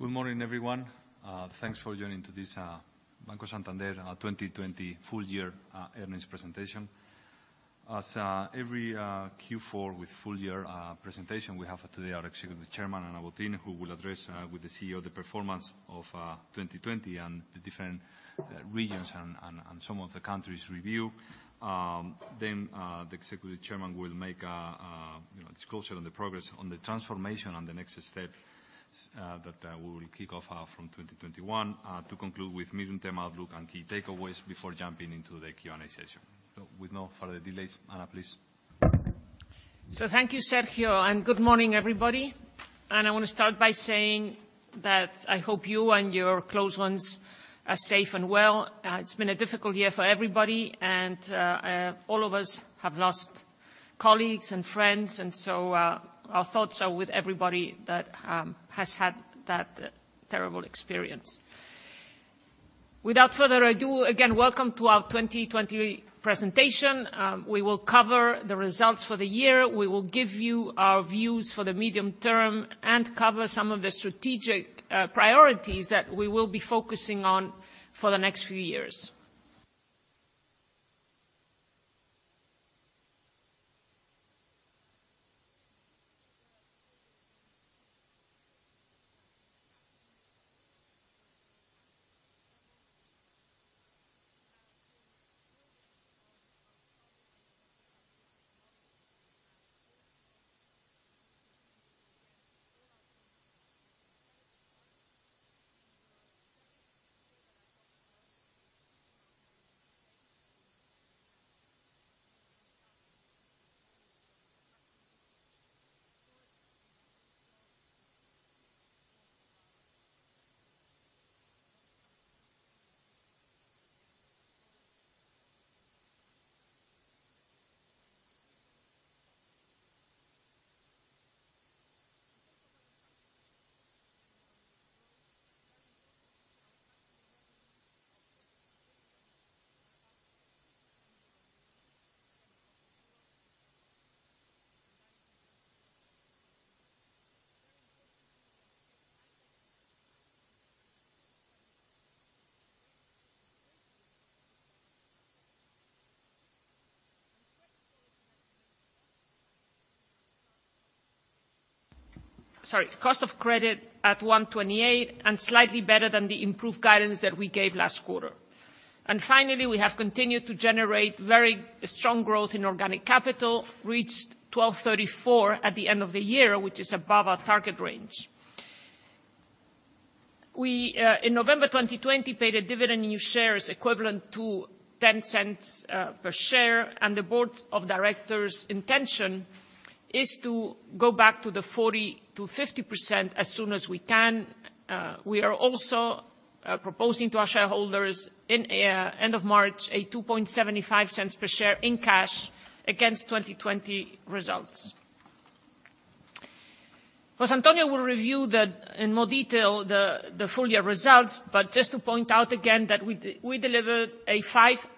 Good morning, everyone. Thanks for joining this Banco Santander 2020 Full Year Earnings Presentation. As every Q4 with full year presentation, we have today our Executive Chairman, Ana Botín, who will address with the CEO the performance of 2020 and the different regions and some of the countries' review. The Executive Chairman will make a disclosure on the progress on the transformation and the next steps that we will kick off from 2021, to conclude with medium-term outlook and key takeaways before jumping into the Q&A session. With no further delays, Ana, please. Thank you, Sergio, and good morning, everybody. I want to start by saying that I hope you and your close ones are safe and well. It's been a difficult year for everybody, and all of us have lost colleagues and friends. Our thoughts are with everybody that has had that terrible experience. Without further ado, again, welcome to our 2020 presentation. We will cover the results for the year. We will give you our views for the medium term and cover some of the strategic priorities that we will be focusing on for the next few years. Sorry. Cost of credit at 1.28% and slightly better than the improved guidance that we gave last quarter. Finally, we have continued to generate very strong growth in organic capital, reached 12.34% at the end of the year, which is above our target range. We, in November 2020, paid a dividend new shares equivalent to 0.10 per share, and the Board of Directors' intention is to go back to the 40%-50% as soon as we can. We are also proposing to our shareholders in end of March a 0.0275 per share in cash against 2020 results. José Antonio will review in more detail the full year results, but just to point out again that we delivered a 5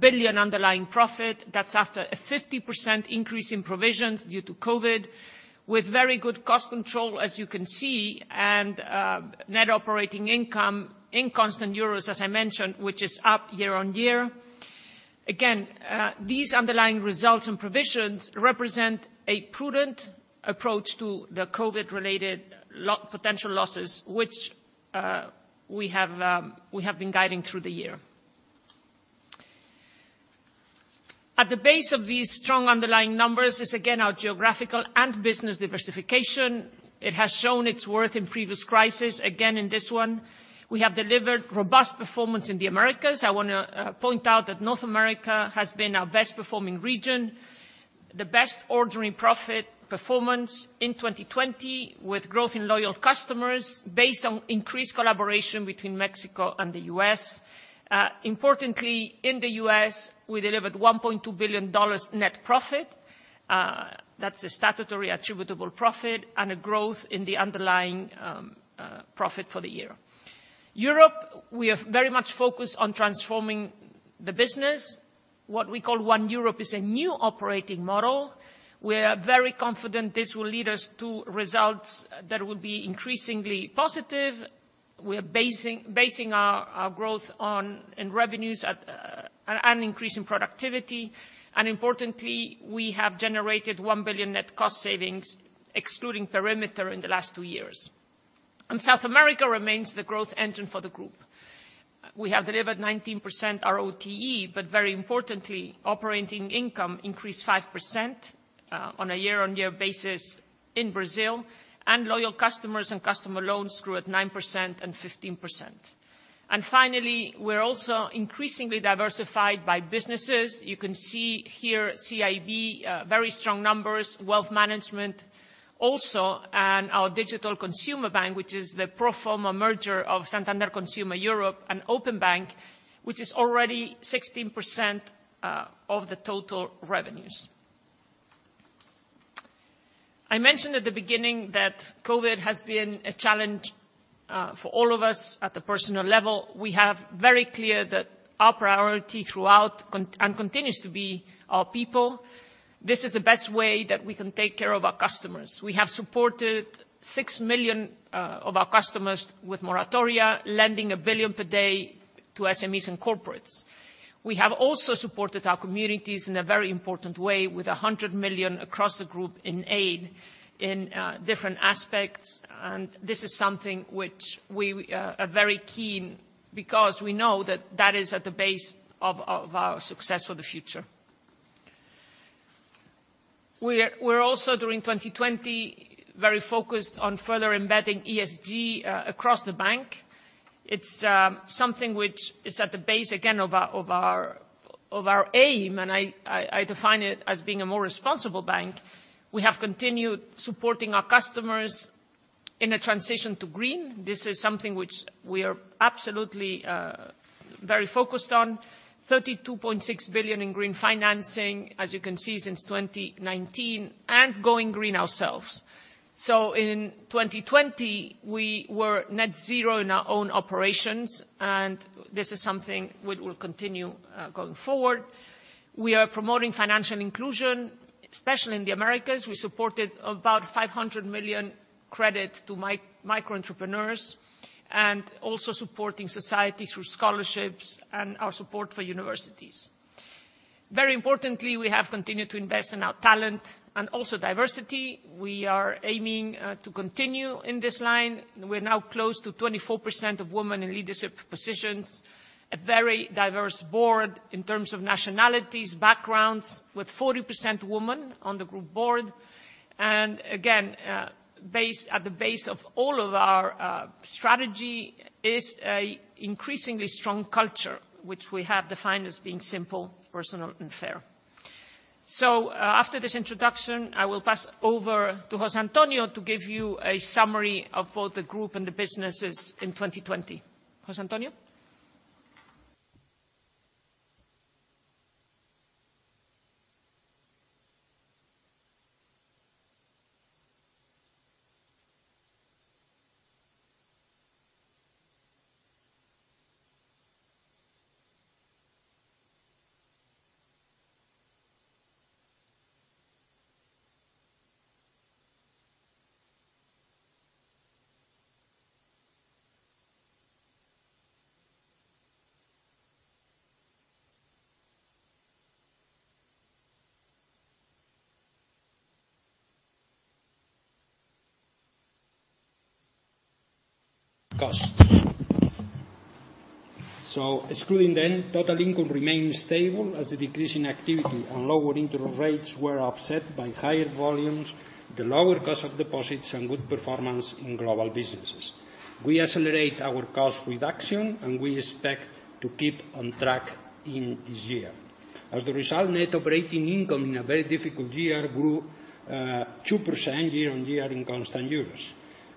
billion underlying profit. That's after a 50% increase in provisions due to COVID, with very good cost control, as you can see, and net operating income in constant euros, as I mentioned, which is up year-on-year. Again, these underlying results and provisions represent a prudent approach to the COVID-related potential losses, which we have been guiding through the year. At the base of these strong underlying numbers is, again, our geographical and business diversification. It has shown its worth in previous crisis. Again, in this one, we have delivered robust performance in the Americas. I want to point out that North America has been our best performing region. The best ordinary profit performance in 2020, with growth in loyal customers based on increased collaboration between Mexico and the U.S. Importantly, in the U.S., we delivered $1.2 billion net profit. That's a statutory attributable profit and a growth in the underlying profit for the year. Europe, we have very much focused on transforming the business. What we call One Europe is a new operating model. We are very confident this will lead us to results that will be increasingly positive. We are basing our growth on revenues and increase in productivity. Importantly, we have generated 1 billion net cost savings, excluding perimeter, in the last two years. South America remains the growth engine for the group. We have delivered 19% ROTE, very importantly, operating income increased 5% on a year-on-year basis in Brazil, and loyal customers and customer loans grew at 9% and 15%. Finally, we're also increasingly diversified by businesses. You can see here CIB, very strong numbers, Wealth Management also, and our Digital Consumer Bank, which is the pro forma merger of Santander Consumer Europe and Openbank, which is already 16% of the total revenues. I mentioned at the beginning that COVID has been a challenge for all of us at the personal level. We have very clear that our priority throughout and continues to be our people. This is the best way that we can take care of our customers. We have supported 6 million of our customers with moratoria, lending 1 billion per day to SMEs and corporates. We have also supported our communities in a very important way, with 100 million across the group in aid in different aspects. This is something which we are very keen because we know that that is at the base of our success for the future. We're also, during 2020, very focused on further embedding ESG across the bank. It's something which is at the base, again, of our aim, and I define it as being a more responsible bank. We have continued supporting our customers in a transition to green. This is something which we are absolutely very focused on, 32.6 billion in green financing, as you can see since 2019, and going green ourselves. In 2020, we were net zero in our own operations, and this is something we will continue going forward. We are promoting financial inclusion, especially in the Americas. We supported about 500 million credit to micro entrepreneurs, and also supporting society through scholarships and our support for universities. Very importantly, we have continued to invest in our talent and also diversity. We are aiming to continue in this line. We are now close to 24% of women in leadership positions, a very diverse board in terms of nationalities, backgrounds, with 40% women on the group board. Again, at the base of all of our strategy is an increasingly strong culture, which we have defined as being simple, personal, and fair. After this introduction, I will pass over to José Antonio to give you a summary of both the group and the businesses in 2020. José Antonio? Cost. Excluding, total income remains stable as the decrease in activity and lower internal rates were offset by higher volumes, the lower cost of deposits, and good performance in global businesses. We accelerate our cost reduction, and we expect to keep on track in this year. Net operating income in a very difficult year grew 2% year-on-year in constant euros.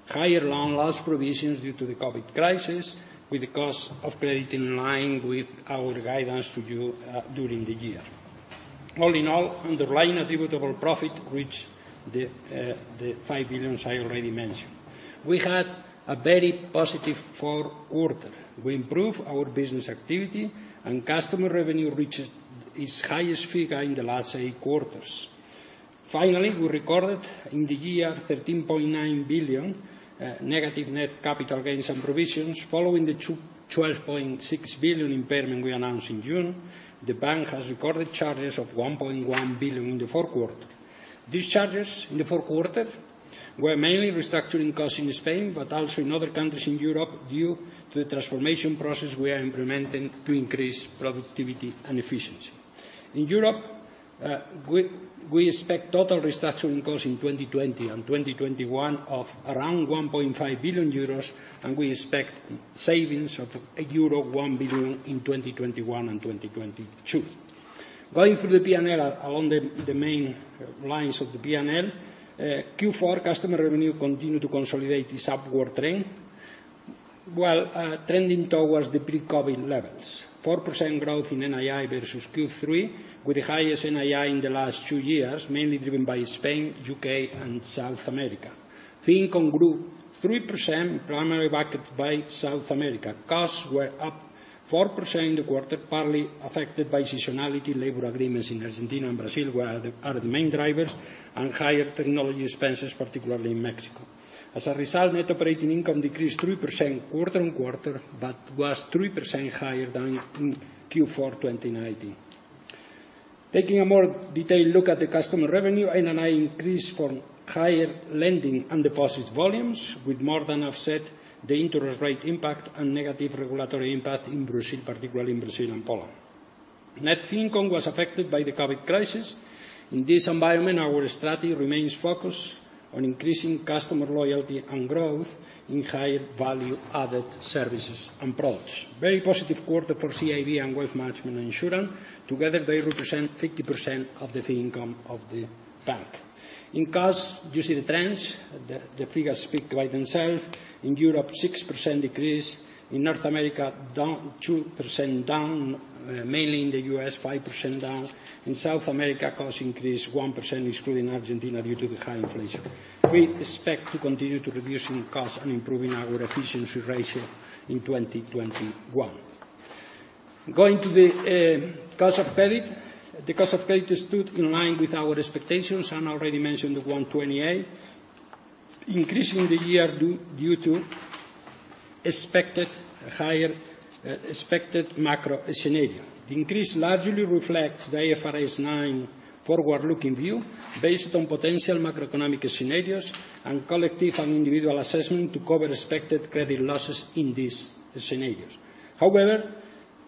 Higher loan loss provisions due to the COVID crisis, with the cost of credit in line with our guidance to you during the year. Underlying attributable profit reached the 5 billion I already mentioned. We had a very positive fourth quarter. We improved our business activity, and customer revenue reached its highest figure in the last eight quarters. Finally, we recorded in the year 13.9 billion negative net capital gains and provisions following the 12.6 billion impairment we announced in June. The bank has recorded charges of 1.1 billion in the fourth quarter. These charges in the fourth quarter were mainly restructuring costs in Spain, also in other countries in Europe due to the transformation process we are implementing to increase productivity and efficiency. In Europe, we expect total restructuring costs in 2020 and 2021 of around 1.5 billion euros, we expect savings of euro 1 billion in 2021 and 2022. Going through the P&L, along the main lines of the P&L, Q4 customer revenue continued to consolidate this upward trend, while trending towards the pre-COVID levels. 4% growth in NII versus Q3, with the highest NII in the last two years, mainly driven by Spain, U.K., and South America. Fee income grew 3%, primarily backed by South America. Costs were up 4% in the quarter, partly affected by seasonality labor agreements in Argentina and Brazil were the main drivers, and higher technology expenses, particularly in Mexico. As a result, net operating income decreased 3% quarter-on-quarter, but was 3% higher than in Q4 2019. Taking a more detailed look at the customer revenue, NII increased from higher lending and deposit volumes, which more than offset the interest rate impact and negative regulatory impact in Brazil, particularly in Brazil and Poland. Net fee income was affected by the COVID crisis. In this environment, our strategy remains focused on increasing customer loyalty and growth in higher value added services and products. Very positive quarter for CIB and Wealth Management & Insurance. Together, they represent 50% of the fee income of the bank. In costs, you see the trends, the figures speak by themselves. In Europe, 6% decrease. In North America, 2% down, mainly in the U.S., 5% down. In South America, costs increased 1%, excluding Argentina, due to the high inflation. We expect to continue to reducing costs and improving our efficiency ratio in 2021. Going to the cost of credit. The cost of credit stood in line with our expectations. I already mentioned the 1.28%, increasing in the year due to expected higher macro scenario. The increase largely reflects the IFRS 9 forward-looking view based on potential macroeconomic scenarios and collective and individual assessment to cover expected credit losses in these scenarios. However,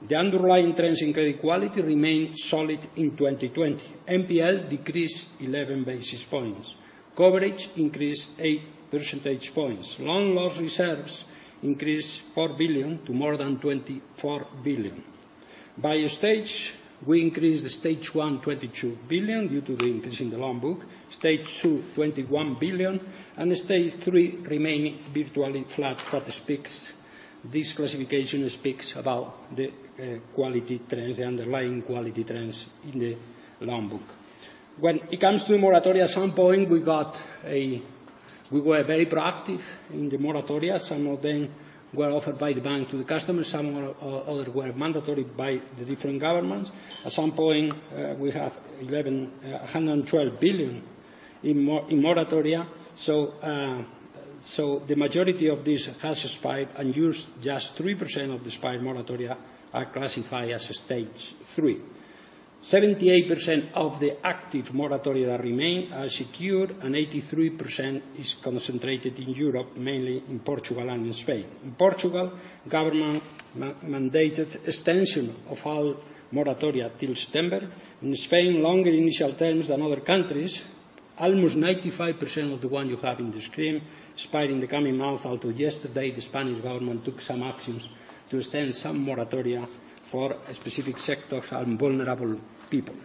the underlying trends in credit quality remained solid in 2020. NPL decreased 11 basis points. Coverage increased 8 percentage points. Loan loss reserves increased 4 billion to more than 24 billion. By stage, we increased stage one 22 billion due to the increase in the loan book, stage two 21 billion, and stage three remaining virtually flat. This classification speaks about the underlying quality trends in the loan book. When it comes to moratoria, at some point, we were very proactive in the moratoria. Some of them were offered by the bank to the customers, some others were mandatory by the different governments. At some point, we have 112 billion in moratoria. The majority of this has expired, and just 3% of the expired moratoria are classified as stage three. 78% of the active moratoria that remain are secured, and 83% is concentrated in Europe, mainly in Portugal and in Spain. In Portugal, government mandated extension of all moratoria till September. In Spain, longer initial terms than other countries. Almost 95% of the one you have in the screen expired in the coming month, although yesterday the Spanish government took some actions to extend some moratoria for specific sectors and vulnerable people.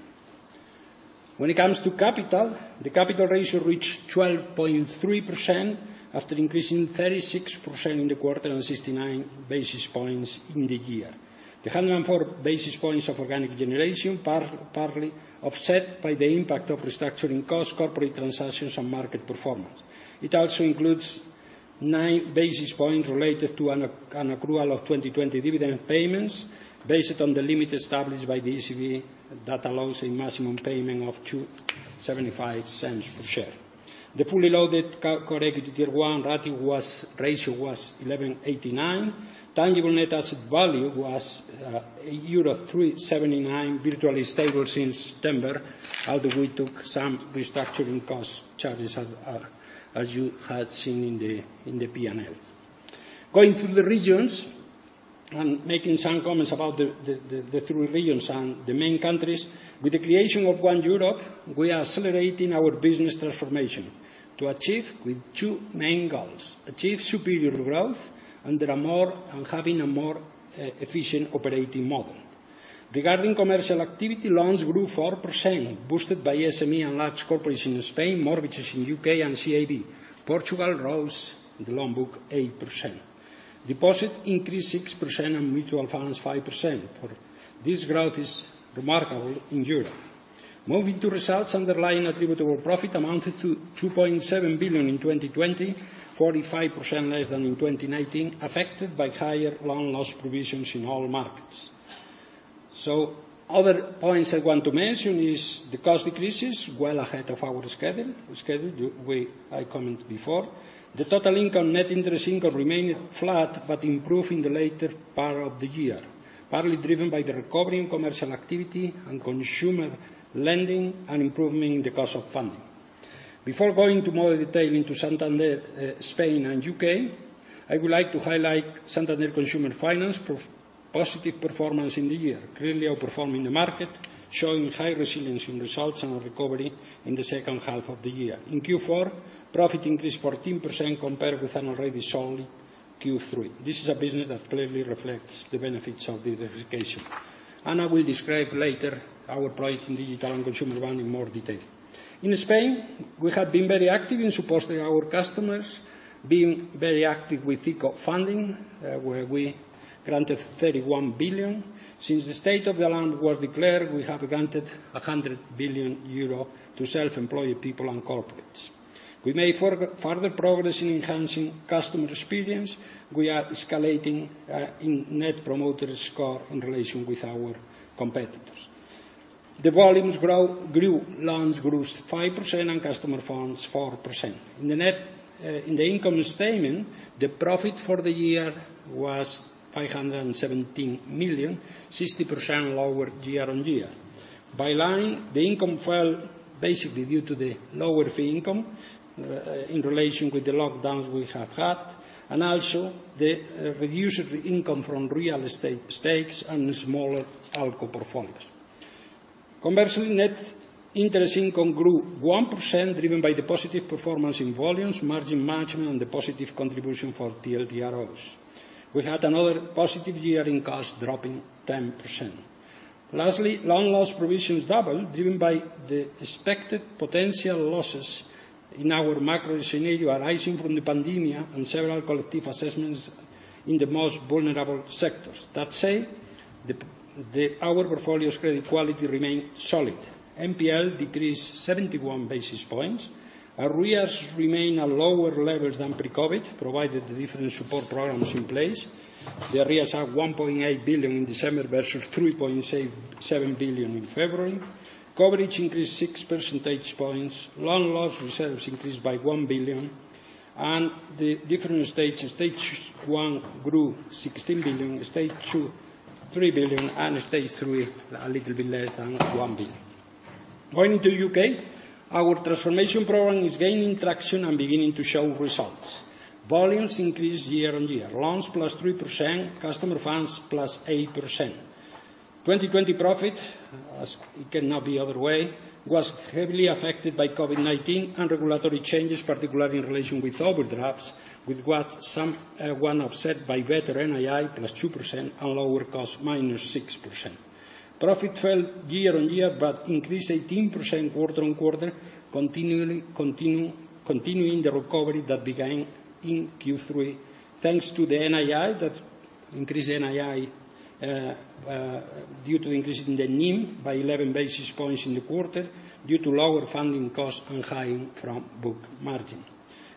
When it comes to capital, the capital ratio reached 12.3% after increasing 36% in the quarter and 69 basis points in the year. The 104 basis points of organic generation, partly offset by the impact of restructuring costs, corporate transactions, and market performance. It also includes 9 basis points related to an accrual of 2020 dividend payments based on the limit established by the ECB that allows a maximum payment of 0.0275 per share. The fully loaded core equity tier 1 ratio was 11.89%. Tangible net asset value was euro 3.79, virtually stable since September, although we took some restructuring cost charges, as you had seen in the P&L. Going through the regions and making some comments about the three regions and the main countries. With the creation of One Europe, we are accelerating our business transformation to achieve with two main goals. Achieve superior growth and having a more efficient operating model. Regarding commercial activity, loans grew 4%, boosted by SME and large corporates in Spain, mortgages in U.K. and CIB. Portugal rose the loan book 8%. Deposit increased 6% and mutual funds 5%. This growth is remarkable in Europe. Moving to results, underlying attributable profit amounted to 2.7 billion in 2020, 45% less than in 2019, affected by higher loan loss provisions in all markets. Other points I want to mention is the cost decreases well ahead of our schedule. I commented before. The total income, net interest income remained flat but improved in the later part of the year, partly driven by the recovery in commercial activity and consumer lending, and improvement in the cost of funding. Before going into more detail into Santander, Spain and U.K., I would like to highlight Santander Consumer Finance positive performance in the year, clearly outperforming the market, showing high resilience in results and a recovery in the second half of the year. In Q4, profit increased 14% compared with an already solid Q3. This is a business that clearly reflects the benefits of diversification. I will describe later our project in Digital and Consumer Bank in more detail. In Spain, we have been very active in supporting our customers, being very active with ICO funding, where we granted 31 billion. Since the state of alarm was declared, we have granted 100 billion euro to self-employed people and corporates. We made further progress in enhancing customer experience. We are escalating in net promoter score in relation with our competitors. The volumes grew. Loans grew 5% and customer funds 4%. In the income statement, the profit for the year was 517 million, 60% lower year-on-year. By line, the income fell basically due to the lower fee income in relation with the lockdowns we have had and also the reduced income from real estate stakes and smaller ALCO portfolios. Commercially, net interest income grew 1%, driven by the positive performance in volumes, margin management, and the positive contribution for TLTROs. We had another positive year in cost, dropping 10%. Lastly, loan loss provisions doubled, driven by the expected potential losses in our macro scenario arising from the pandemia and several collective assessments in the most vulnerable sectors. That said, our portfolio's credit quality remained solid. NPL decreased 71 basis points. Arrears remain at lower levels than pre-COVID, provided the different support programs in place. The arrears are 1.8 billion in December versus 3.7 billion in February. Coverage increased 6 percentage points. Loan loss reserves increased by 1 billion. The different stages, stage one grew 16 billion, stage two, 3 billion, and stage three, a little bit less than 1 billion. Going to U.K. Our transformation program is gaining traction and beginning to show results. Volumes increased year-on-year, loans +3%, customer funds +8%. 2020 profit, as it cannot be other way, was heavily affected by COVID-19 and regulatory changes, particularly in relation with overdrafts, somewhat offset by better NII +2% and lower cost -6%. Profit fell year-on-year but increased 18% quarter-on-quarter, continuing the recovery that began in Q3, thanks to the NII, that increased NII due to increase in the NIM by 11 basis points in the quarter due to lower funding costs and higher front book margin.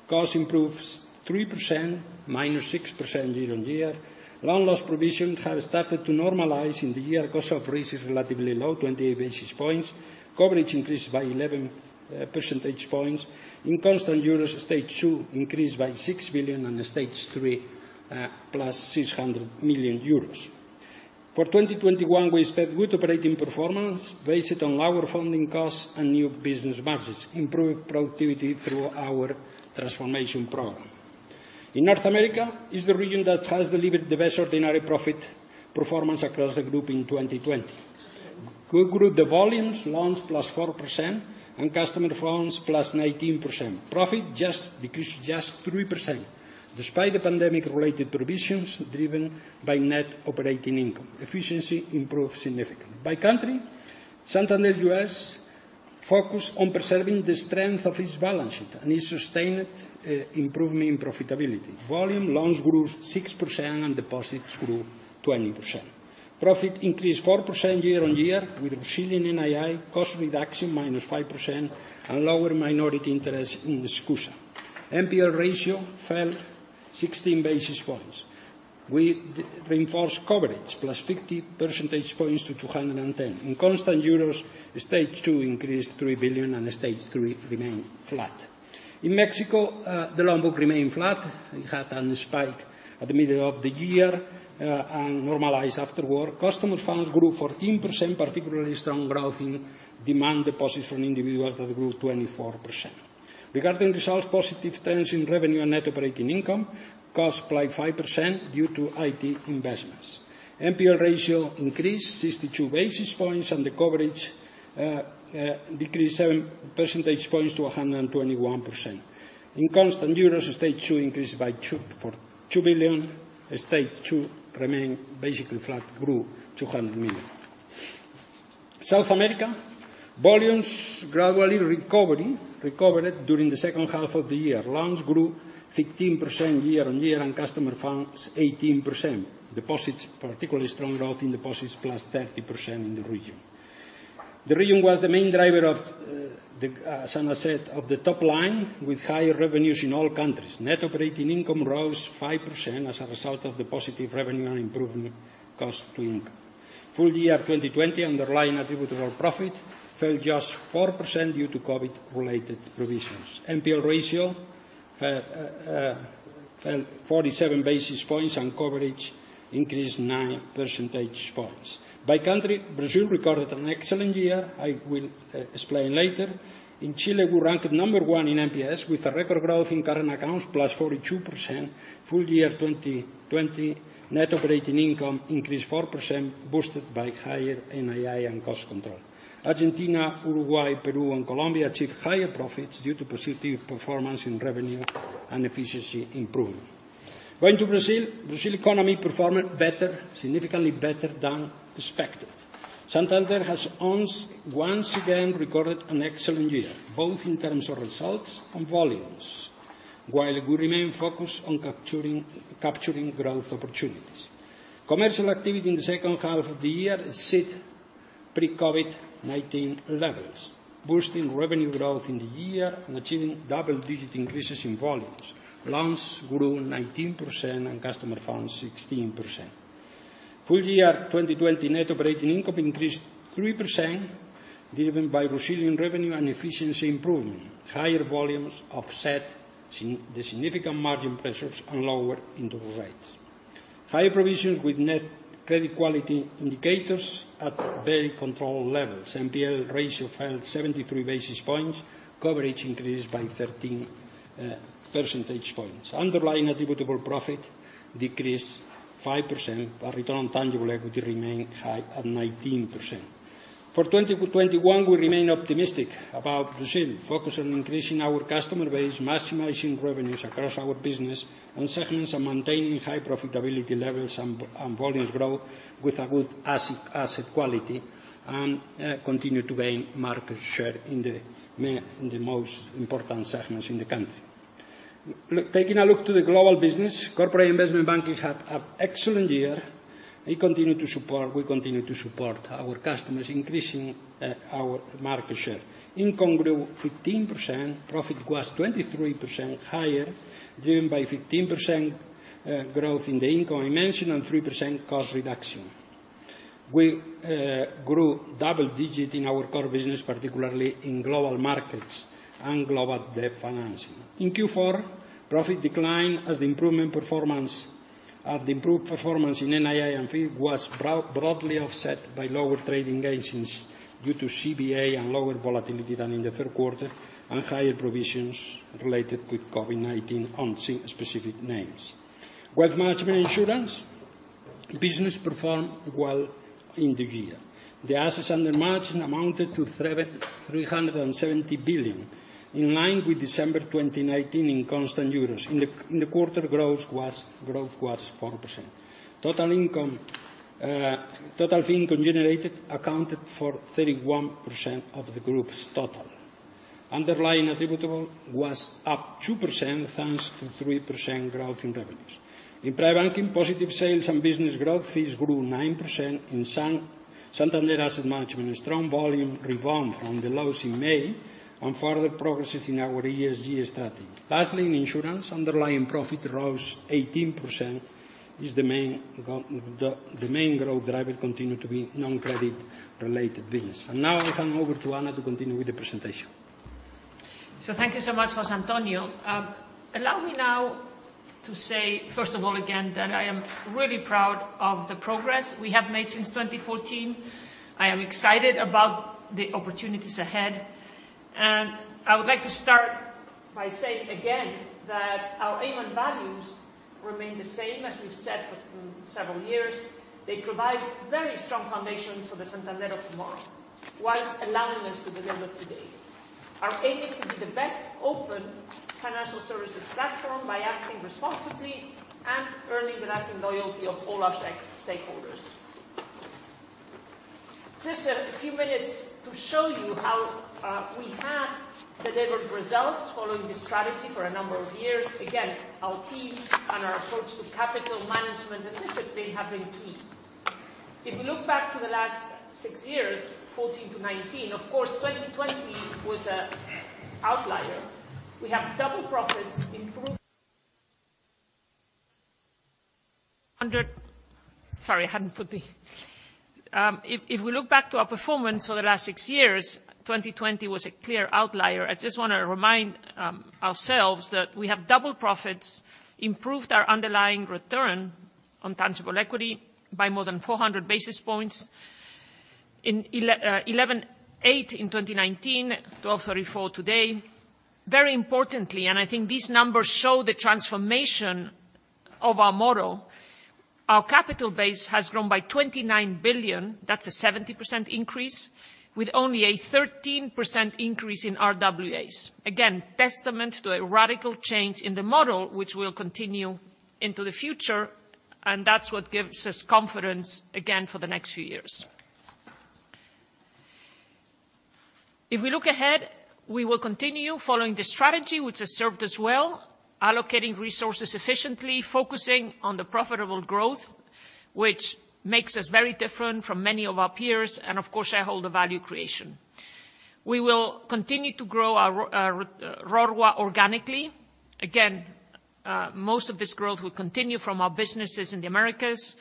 Costs improved 3%, -6% year-on-year. Loan loss provision have started to normalize in the year. Cost of risk is relatively low, 28 basis points. Coverage increased by 11 percentage points. In constant euros, stage two increased by 6 billion and stage three +600 million euros. For 2021, we expect good operating performance based on lower funding costs and new business margins, improved productivity through our transformation program. In North America, is the region that has delivered the best ordinary profit performance across the group in 2020. Group, the volumes, loans +4% and customer funds +19%. Profit decreased just 3%, despite the pandemic-related provisions driven by net operating income. Efficiency improved significantly. By country, Santander U.S. focused on preserving the strength of its balance sheet and its sustained improvement in profitability. Volume loans grew 6% and deposits grew 20%. Profit increased 4% year-on-year with resilient NII, cost reduction -5%, and lower minority interest in SCUSA. NPL ratio fell 16 basis points. We reinforced coverage +50 percentage points to 210. In constant euros, stage two increased 3 billion and stage three remained flat. In Mexico, the loan book remained flat. We had a spike at the middle of the year and normalized afterward. Customer funds grew 14%, particularly strong growth in demand deposits from individuals that grew 24%. Regarding results, positive trends in revenue and net operating income, cost like 5% due to IT investments. NPL ratio increased 62 basis points and the coverage decreased 7 percentage points to 121%. In constant euros, stage two increased by 2 billion. Stage two remained basically flat, grew 200 million. South America, volumes gradually recovered during the second half of the year. Loans grew 15% year-over-year, and customer funds 18%. Particularly strong growth in deposits, +30% in the region. The region was the main driver of, as Ana said, of the top line, with higher revenues in all countries. Net operating income rose 5% as a result of the positive revenue and improvement cost to income. Full year 2020 underlying attributable profit fell just 4% due to COVID-related provisions. NPL ratio fell 47 basis points and coverage increased 9 percentage points. By country, Brazil recorded an excellent year, I will explain later. In Chile, we ranked number one in NPS with a record growth in current accounts +42%. Full year 2020 net operating income increased 4%, boosted by higher NII and cost control. Argentina, Uruguay, Peru, and Colombia achieved higher profits due to positive performance in revenue and efficiency improvement. Going to Brazil. Brazil economy performed better, significantly better than expected. Santander has once again recorded an excellent year, both in terms of results and volumes, while we remain focused on capturing growth opportunities. Commercial activity in the second half of the year exceed pre-COVID-19 levels, boosting revenue growth in the year and achieving double-digit increases in volumes. Loans grew 19% and customer funds 16%. Full year 2020 net operating income increased 3%, driven by resilient revenue and efficiency improvement. Higher volumes offset the significant margin pressures and lower interest rates. Higher provisions with net credit quality indicators at very controlled levels. NPL ratio fell 73 basis points. Coverage increased by 13 percentage points. Underlying attributable profit decreased 5%, but return on tangible equity remained high at 19%. For 2021, we remain optimistic about Brazil. Focus on increasing our customer base, maximizing revenues across our business and segments, and maintaining high profitability levels and volumes growth with a good asset quality, and continue to gain market share in the most important segments in the country. Taking a look to the global business, Corporate & Investment Banking had an excellent year. We continue to support our customers, increasing our market share. Income grew 15%, profit was 23% higher, driven by 15% growth in the income I mentioned, and 3% cost reduction. We grew double-digit in our core business, particularly in global markets and global debt financing. In Q4, profit decline as the improved performance in NII and fee was broadly offset by lower trading gains since due to CVA and lower volatility than in the third quarter, and higher provisions related with COVID-19 on specific names. Wealth Management & Insurance business performed well in the year. The assets under management amounted to 370 billion, in line with December 2019 in constant euros. In the quarter, growth was 4%. Total fee income generated accounted for 31% of the group's total. Underlying attributable was up 2%, thanks to 3% growth in revenues. In private banking, positive sales and business growth fees grew 9% in Santander Asset Management. Strong volume rebound from the lows in May, further progress in our ESG strategy. Lastly, in Insurance, underlying profit rose 18%, as the main growth driver continued to be non-credit related business. Now I'll hand over to Ana to continue with the presentation. Thank you so much, José Antonio. Allow me now to say, first of all, again, that I am really proud of the progress we have made since 2014. I am excited about the opportunities ahead. I would like to start by saying again that our aim and values remain the same as we've said for several years. They provide very strong foundations for the Santander of tomorrow, whilst allowing us to deliver today. Our aim is to be the best open financial services platform by acting responsibly and earning the lasting loyalty of all our stakeholders. Just a few minutes to show you how we have delivered results following this strategy for a number of years. Again, our fees and our approach to capital management and discipline have been key. If we look back to the last six years, 2014 to 2019, of course, 2020 was a outlier. We have double profits improved. If we look back to our performance for the last six years, 2020 was a clear outlier. I just want to remind ourselves that we have double profits, improved our underlying return on tangible equity by more than 400 basis points. 11.8% in 2019, 12.34% today. Very importantly, and I think these numbers show the transformation of our model, our capital base has grown by 29 billion. That's a 70% increase, with only a 13% increase in RWAs. Again, testament to a radical change in the model, which will continue into the future. That's what gives us confidence, again, for the next few years. If we look ahead, we will continue following this strategy, which has served us well, allocating resources efficiently, focusing on the profitable growth, which makes us very different from many of our peers, and of course, shareholder value creation. We will continue to grow our RoRWA organically. Most of this growth will continue from our businesses in the Americas.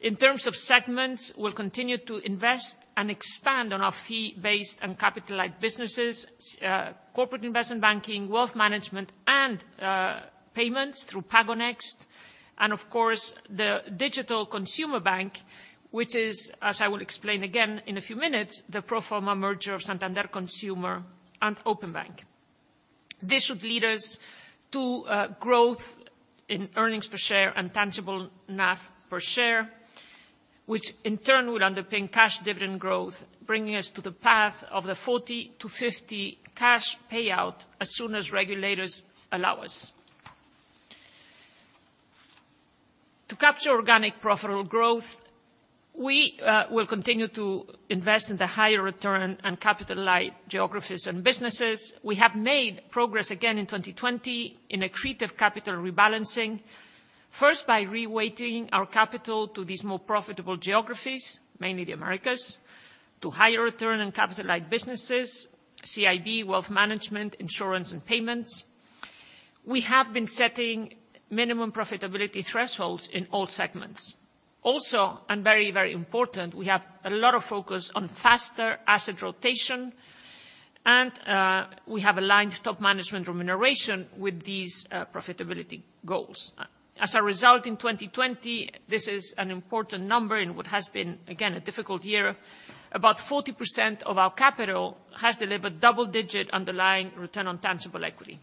In terms of segments, we'll continue to invest and expand on our fee-based and capital-light businesses, Corporate & Investment Banking, Wealth Management, and Payments through PagoNxt. Of course, the Digital Consumer Bank, which is, as I will explain again in a few minutes, the pro forma merger of Santander Consumer and Openbank. This should lead us to growth in earnings per share and tangible NAV per share, which in turn will underpin cash dividend growth, bringing us to the path of the 40%-50% cash payout as soon as regulators allow us. To capture organic profitable growth, we will continue to invest in the higher return and capital-light geographies and businesses. We have made progress again in 2020 in accretive capital rebalancing. First, by reweighting our capital to these more profitable geographies, mainly the Americas, to higher return on capital-light businesses, CIB, Wealth Management & Insurance, and Payments. We have been setting minimum profitability thresholds in all segments. Very important, we have a lot of focus on faster asset rotation, and we have aligned top management remuneration with these profitability goals. As a result, in 2020, this is an important number in what has been, again, a difficult year. About 40% of our capital has delivered double-digit underlying return on tangible equity.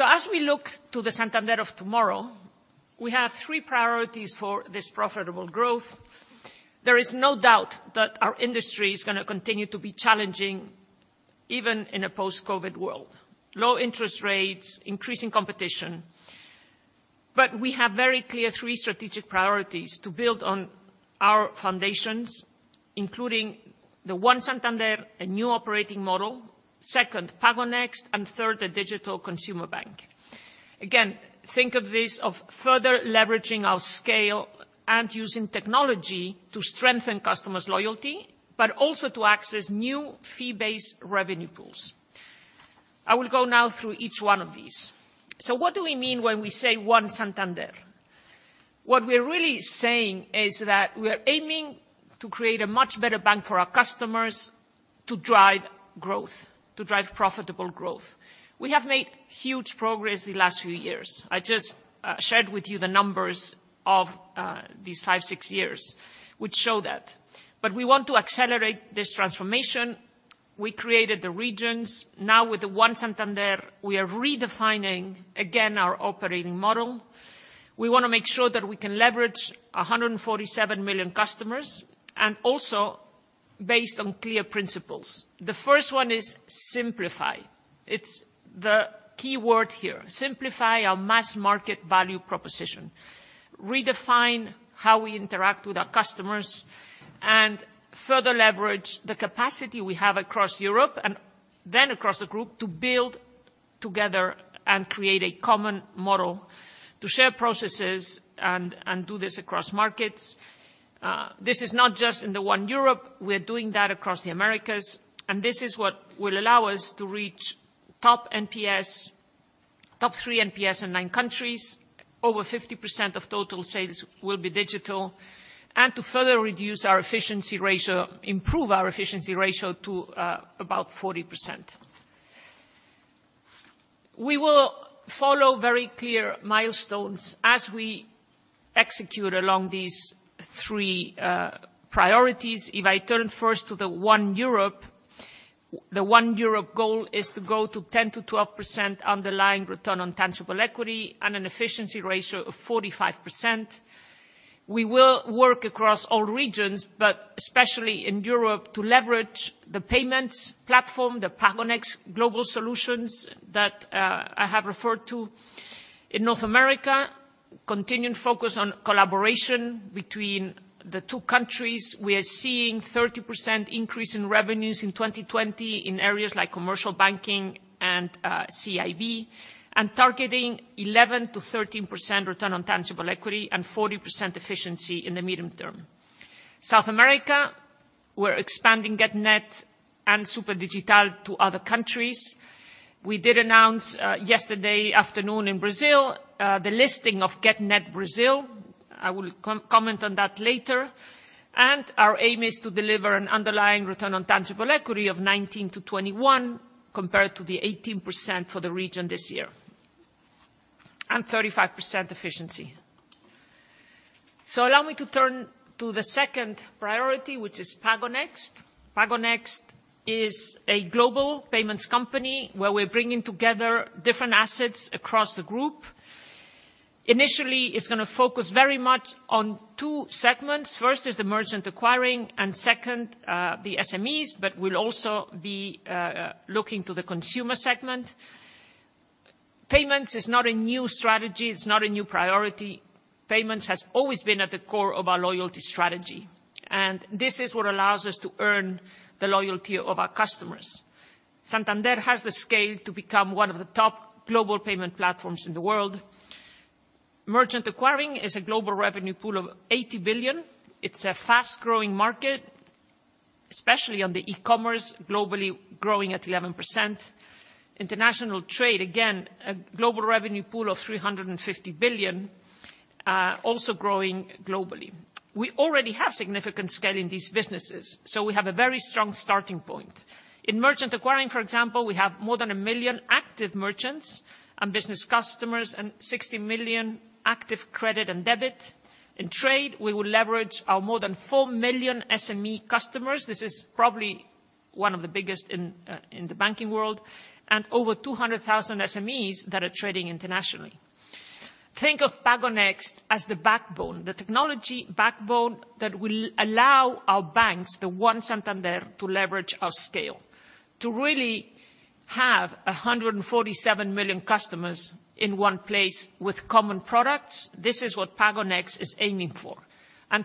As we look to the Santander of tomorrow, we have three priorities for this profitable growth. There is no doubt that our industry is going to continue to be challenging even in a post-COVID world, low interest rates, increasing competition. We have very clear three strategic priorities to build on our foundations, including the One Santander, a new operating model. Second, PagoNxt, and third, the Digital Consumer Bank. Again, think of this of further leveraging our scale and using technology to strengthen customers' loyalty, but also to access new fee-based revenue pools. I will go now through each one of these. What do we mean when we say One Santander? What we're really saying is that we are aiming to create a much better bank for our customers to drive profitable growth. We have made huge progress the last few years. I just shared with you the numbers of these five, six years would show that. We want to accelerate this transformation. We created the regions. Now with the One Santander, we are redefining again our operating model. We want to make sure that we can leverage 147 million customers. Also based on clear principles, the first one is simplify. It's the key word here. Simplify our mass market value proposition, redefine how we interact with our customers. Further leverage the capacity we have across Europe. Then across the group to build together. Create a common model to share processes. Do this across markets. This is not just in the One Europe. We're doing that across the Americas. This is what will allow us to reach top three NPS in nine countries. Over 50% of total sales will be digital. To further improve our efficiency ratio to about 40%. We will follow very clear milestones as we execute along these three priorities. If I turn first to the One Europe, the One Europe goal is to go to 10%-12% underlying return on tangible equity and an efficiency ratio of 45%. We will work across all regions, but especially in Europe, to leverage the payments platform, the PagoNxt global solutions that I have referred to. In North America, continuing focus on collaboration between the two countries. We are seeing 30% increase in revenues in 2020 in areas like commercial banking and CIB, and targeting 11% to 13% return on tangible equity and 40% efficiency in the medium term. South America, we're expanding Getnet and Superdigital to other countries. We did announce yesterday afternoon in Brazil the listing of Getnet Brazil. I will comment on that later. Our aim is to deliver an underlying return on tangible equity of 19%-21% compared to the 18% for the region this year, and 35% efficiency. Allow me to turn to the second priority, which is PagoNxt. PagoNxt is a global payments company where we're bringing together different assets across the group. Initially, it's going to focus very much on two segments. First is the merchant acquiring and second the SMEs, but we'll also be looking to the consumer segment. Payments is not a new strategy. It's not a new priority. Payments has always been at the core of our loyalty strategy, and this is what allows us to earn the loyalty of our customers. Santander has the scale to become one of the top global payment platforms in the world. Merchant acquiring is a global revenue pool of 80 billion. It's a fast-growing market, especially on the e-commerce, globally growing at 11%. International trade, again, a global revenue pool of 350 billion, also growing globally. We already have significant scale in these businesses, so we have a very strong starting point. In merchant acquiring, for example, we have more than 1 million active merchants and business customers and 60 million active credit and debit. In trade, we will leverage our more than 4 million SME customers. This is probably one of the biggest in the banking world and over 200,000 SMEs that are trading internationally. Think of PagoNxt as the backbone, the technology backbone that will allow our banks, One Santander, to leverage our scale to really have 147 million customers in one place with common products. This is what PagoNxt is aiming for.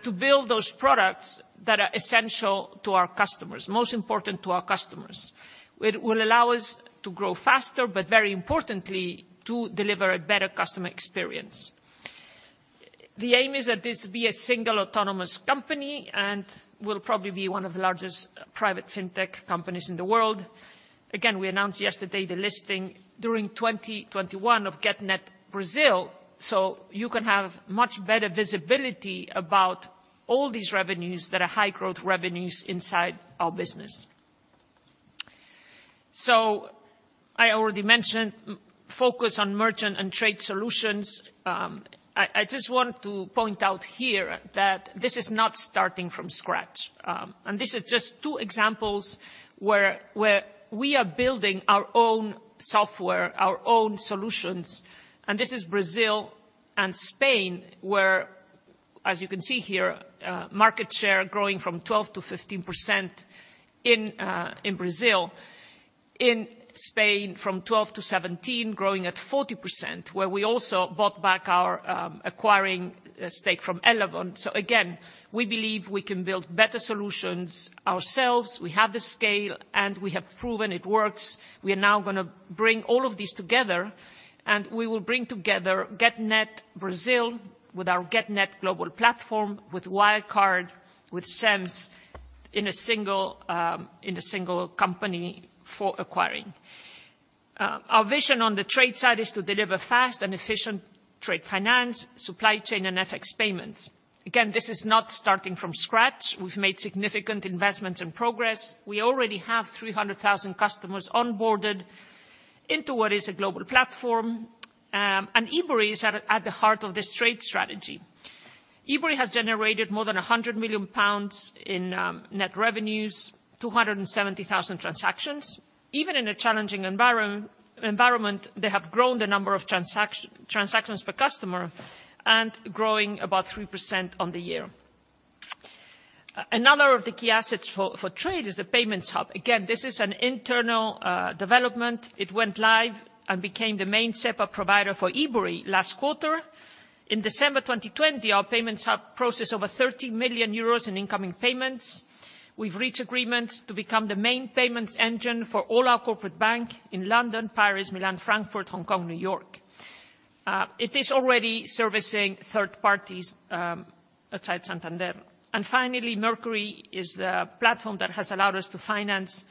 To build those products that are essential to our customers, most important to our customers. It will allow us to grow faster, but very importantly, to deliver a better customer experience. The aim is that this be a single autonomous company and will probably be one of the largest private fintech companies in the world. We announced yesterday the listing during 2021 of Getnet Brazil, so you can have much better visibility about all these revenues that are high growth revenues inside our business. I already mentioned focus on merchant and trade solutions. I just want to point out here that this is not starting from scratch. This is just two examples where we are building our own software, our own solutions. This is Brazil and Spain, where, as you can see here, market share growing from 12%-15% in Brazil. In Spain from 2012 to 2017, growing at 40%, where we also bought back our acquiring stake from Elavon. Again, we believe we can build better solutions ourselves. We have the scale, and we have proven it works. We are now going to bring all of this together. We will bring together Getnet Brazil with our Getnet global platform, with Wirecard, with SEMS in a single company for acquiring. Our vision on the trade side is to deliver fast and efficient trade finance, supply chain, and FX payments. This is not starting from scratch. We've made significant investments and progress. We already have 300,000 customers onboarded into what is a global platform. Ebury is at the heart of this trade strategy. Ebury has generated more than 100 million pounds in net revenues, 270,000 transactions. Even in a challenging environment, they have grown the number of transactions per customer and growing about 3% on the year. Another of the key assets for trade is the Payments Hub. Again, this is an internal development. It went live and became the main SEPA provider for Ebury last quarter. In December 2020, our Payments Hub processed over 30 million euros in incoming payments. We've reached agreement to become the main payments engine for all our corporate bank in London, Paris, Milan, Frankfurt, Hong Kong, New York. It is already servicing third parties outside Santander. Finally, Mercury is the platform that has allowed us to finance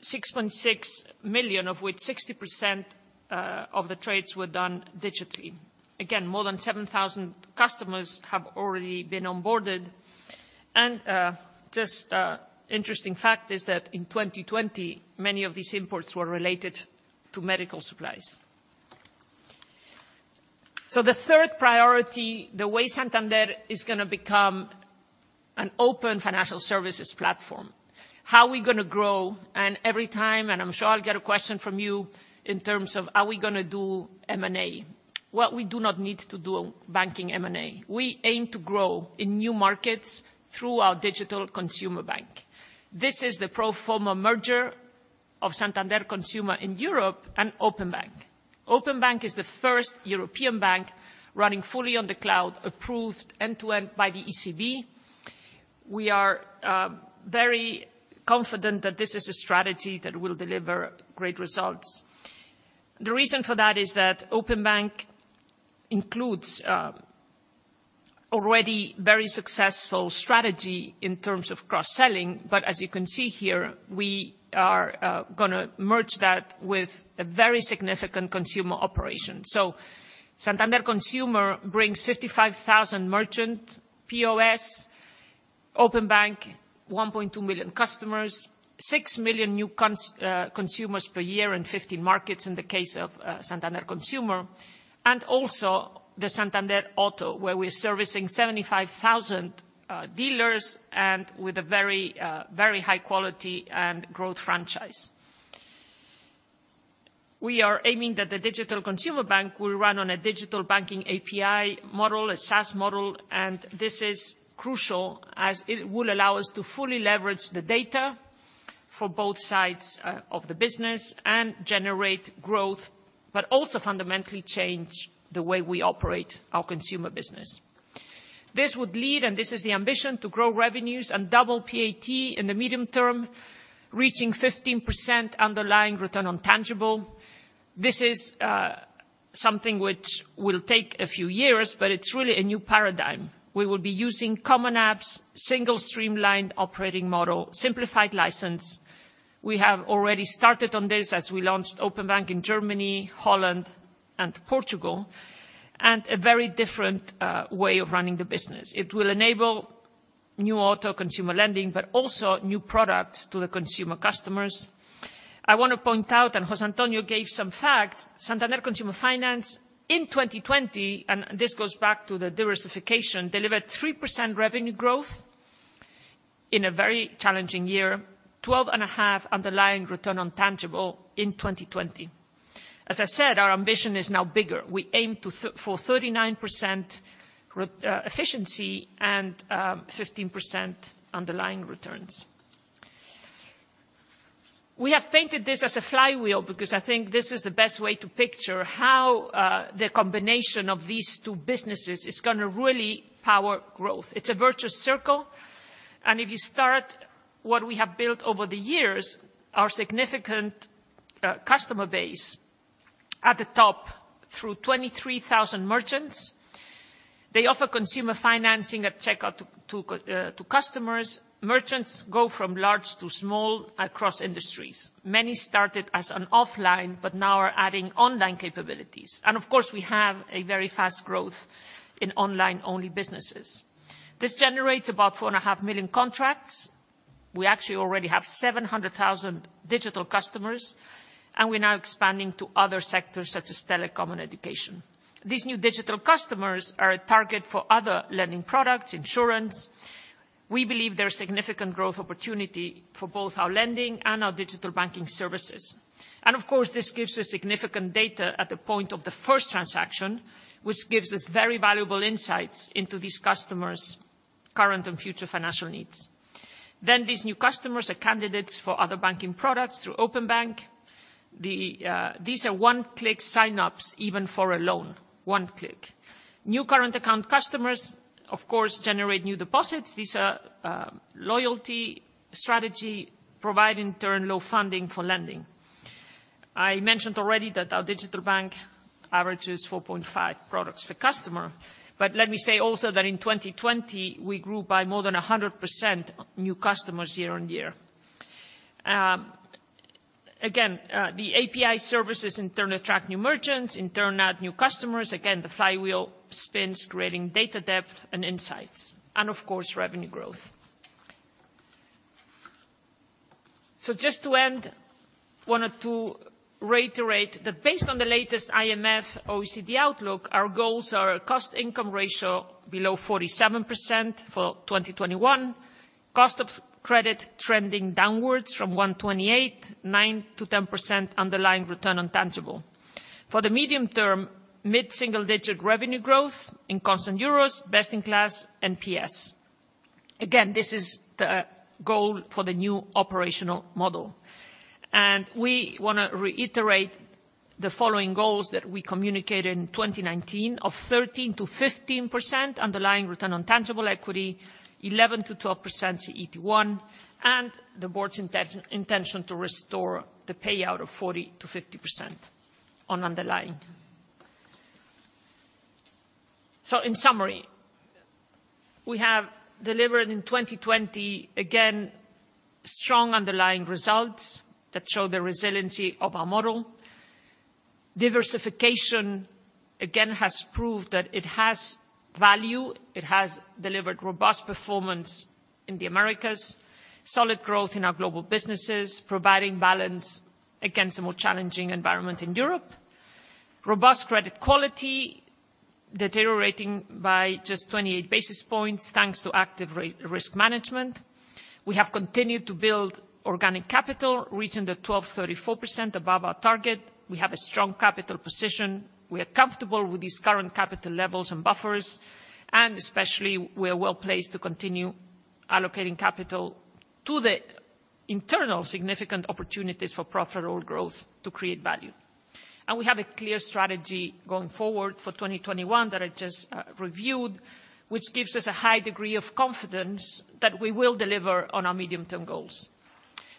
6.6 million, of which 60% of the trades were done digitally. Again, more than 7,000 customers have already been onboarded. Just an interesting fact is that in 2020, many of these imports were related to medical supplies. The third priority, the way Santander is going to become an open financial services platform. How are we going to grow? Every time, I'm sure I'll get a question from you in terms of are we going to do M&A? Well, we do not need to do banking M&A. We aim to grow in new markets through our Digital Consumer Bank. This is the pro forma merger of Santander Consumer in Europe and Openbank. Openbank is the first European bank running fully on the cloud, approved end-to-end by the ECB. We are very confident that this is a strategy that will deliver great results. The reason for that is that Openbank includes already very successful strategy in terms of cross-selling. As you can see here, we are going to merge that with a very significant consumer operation. Santander Consumer brings 55,000 merchant POS, Openbank 1.2 million customers, 6 million new consumers per year in 50 markets in the case of Santander Consumer, and also the Santander Auto, where we're servicing 75,000 dealers and with a very high quality and growth franchise. We are aiming that the Digital Consumer Bank will run on a digital banking API model, a SaaS model, and this is crucial as it will allow us to fully leverage the data for both sides of the business and generate growth, but also fundamentally change the way we operate our consumer business. This would lead, and this is the ambition, to grow revenues and double PAT in the medium term, reaching 15% underlying return on tangible. This is something which will take a few years, but it's really a new paradigm. We will be using common apps, single streamlined operating model, simplified license. We have already started on this as we launched Openbank in Germany, Holland, and Portugal, and a very different way of running the business. It will enable new auto consumer lending, but also new products to the consumer customers. I want to point out, and José Antonio gave some facts, Santander Consumer Finance in 2020, and this goes back to the diversification, delivered 3% revenue growth in a very challenging year, 12.5% underlying return on tangible in 2020. As I said, our ambition is now bigger. We aim for 39% efficiency and 15% underlying returns. We have painted this as a flywheel because I think this is the best way to picture how the combination of these two businesses is going to really power growth. It's a virtuous circle. If you start what we have built over the years, our significant customer base at the top through 23,000 merchants. They offer consumer financing at checkout to customers. Merchants go from large to small across industries. Many started as an offline, now are adding online capabilities. Of course, we have a very fast growth in online-only businesses. This generates about 4.5 million contracts. We actually already have 700,000 digital customers, we're now expanding to other sectors such as telecom and education. These new digital customers are a target for other lending products, insurance. We believe there's significant growth opportunity for both our lending and our digital banking services. Of course, this gives us significant data at the point of the first transaction, which gives us very valuable insights into these customers' current and future financial needs. These new customers are candidates for other banking products through Openbank. These are one-click sign-ups even for a loan. One click. New current account customers, of course, generate new deposits. These are loyalty strategy, provide in turn low funding for lending. I mentioned already that our digital bank averages 4.5 products per customer. Let me say also that in 2020, we grew by more than 100% new customers year on year. Again, the API services in turn attract new merchants, in turn add new customers. Again, the flywheel spins, creating data depth and insights, and of course, revenue growth. Just to end, wanted to reiterate that based on the latest IMF, OECD Outlook, our goals are cost income ratio below 47% for 2021. Cost of credit trending downwards from 1.28%, 9%-10% underlying return on tangible. For the medium term, mid-single-digit revenue growth in constant euros, best in class NPS. This is the goal for the new operational model. We want to reiterate the following goals that we communicated in 2019 of 13%-15% underlying return on tangible equity, 11%-12% CET1, and the board's intention to restore the payout of 40%-50% on underlying. In summary, we have delivered in 2020, again, strong underlying results that show the resiliency of our model. Diversification, again, has proved that it has value. It has delivered robust performance in the Americas, solid growth in our global businesses, providing balance against a more challenging environment in Europe. Robust credit quality deteriorating by just 28 basis points, thanks to active risk management. We have continued to build organic capital, reaching the 12.34% above our target. We have a strong capital position. We are comfortable with these current capital levels and buffers, especially, we're well-placed to continue allocating capital to the internal significant opportunities for profitable growth to create value. We have a clear strategy going forward for 2021 that I just reviewed, which gives us a high degree of confidence that we will deliver on our medium-term goals.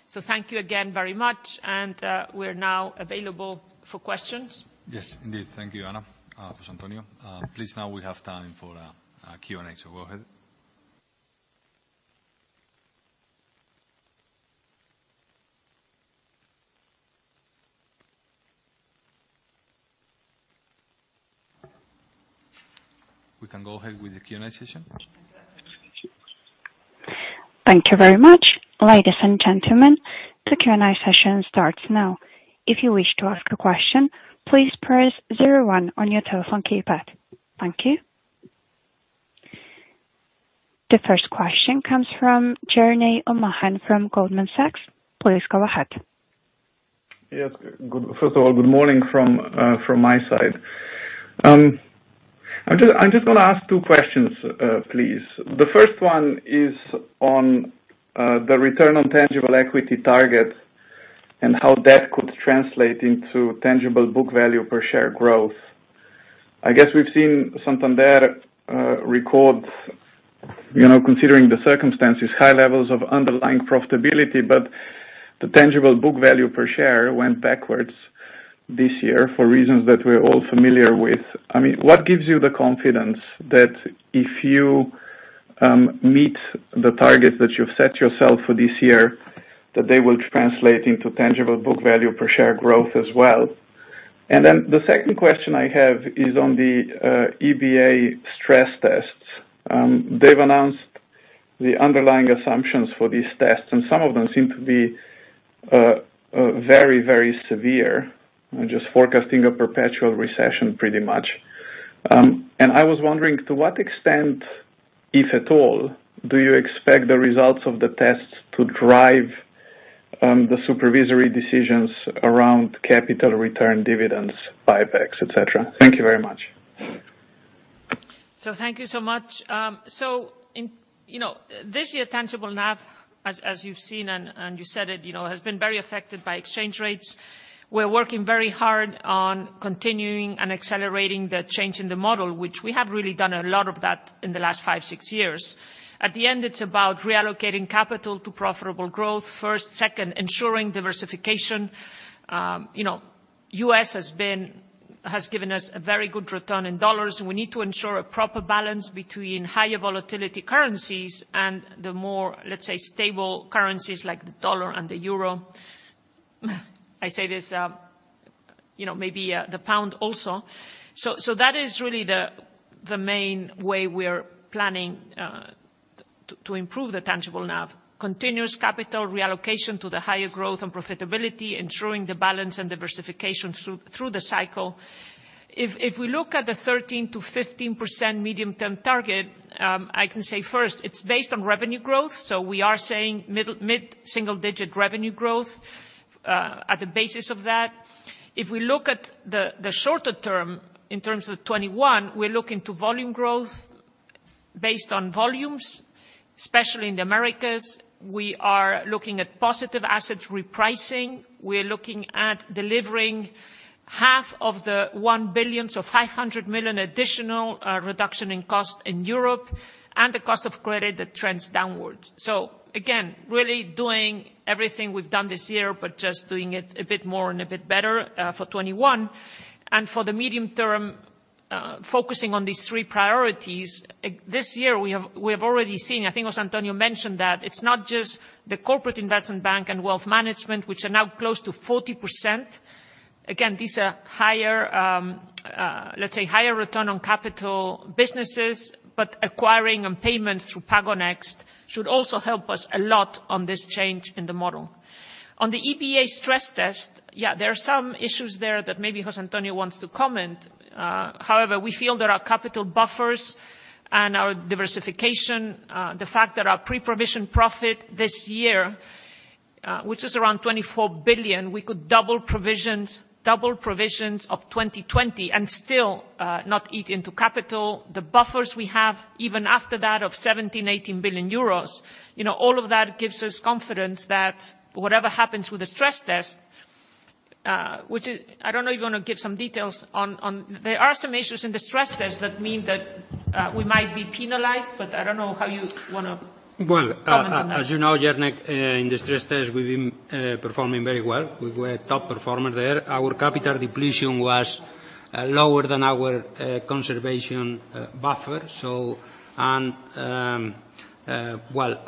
Thank you again very much, and we're now available for questions. Yes, indeed. Thank you, Ana. José Antonio. Please, now we have time for Q&A, so go ahead. We can go ahead with the Q&A session. Thank you very much. Ladies and gentlemen, the Q&A session starts now. If you wish to ask a question, please press zero one on your telephone keypad. Thank you. The first question comes from Jernej Omahen from Goldman Sachs. Please go ahead. First of all, good morning from my side. I'm just going to ask two questions, please. The first one is on the return on tangible equity target and how that could translate into tangible book value per share growth. I guess we've seen Santander records, considering the circumstances, high levels of underlying profitability, but the tangible book value per share went backwards this year for reasons that we're all familiar with. What gives you the confidence that if you meet the target that you've set yourself for this year, that they will translate into tangible book value per share growth as well? The second question I have is on the EBA stress tests. They've announced the underlying assumptions for these tests, some of them seem to be very, very severe, just forecasting a perpetual recession pretty much. I was wondering to what extent, if at all, do you expect the results of the tests to drive the supervisory decisions around capital return dividends, buybacks, et cetera? Thank you very much. Thank you so much. This year, tangible NAV, as you've seen and you said it, has been very affected by exchange rates. We're working very hard on continuing and accelerating the change in the model, which we have really done a lot of that in the last five, six years. At the end, it's about reallocating capital to profitable growth, first. Second, ensuring diversification. U.S. has given us a very good return in dollars, and we need to ensure a proper balance between higher volatility currencies and the more, let's say, stable currencies like the dollar and the euro. I say this, maybe the pound also. That is really the main way we're planning to improve the tangible NAV. Continuous capital reallocation to the higher growth and profitability, ensuring the balance and diversification through the cycle. If we look at the 13%-15% medium-term target, I can say first, it's based on revenue growth. We are saying mid-single-digit revenue growth. At the basis of that, if we look at the shorter term in terms of 2021, we're looking to volume growth based on volumes, especially in the Americas. We are looking at positive assets repricing. We're looking at delivering half of the 1 billion, so 500 million additional reduction in cost in Europe and the cost of credit that trends downwards. Again, really doing everything we've done this year, but just doing it a bit more and a bit better for 2021. For the medium term, focusing on these three priorities. This year, we have already seen, I think José Antonio mentioned that it's not just the Corporate Investment Bank and Wealth Management, which are now close to 40%. These are, let's say, higher return on capital businesses, but acquiring and Payments through PagoNxt should also help us a lot on this change in the model. On the EBA stress test, there are some issues there that maybe José Antonio wants to comment. We feel there are capital buffers and our diversification, the fact that our pre-provision profit this year, which is around 24 billion, we could double provisions of 2020 and still not eat into capital. The buffers we have, even after that of 17 billion-18 billion euros, all of that gives us confidence that whatever happens with the stress test, which I don't know if you want to give some details on. There are some issues in the stress test that mean that we might be penalized. I don't know how you want to comment on that. Well, as you know, Jernej, in the stress test, we've been performing very well. We were a top performer there. Our capital depletion was lower than our conservation buffer. Well,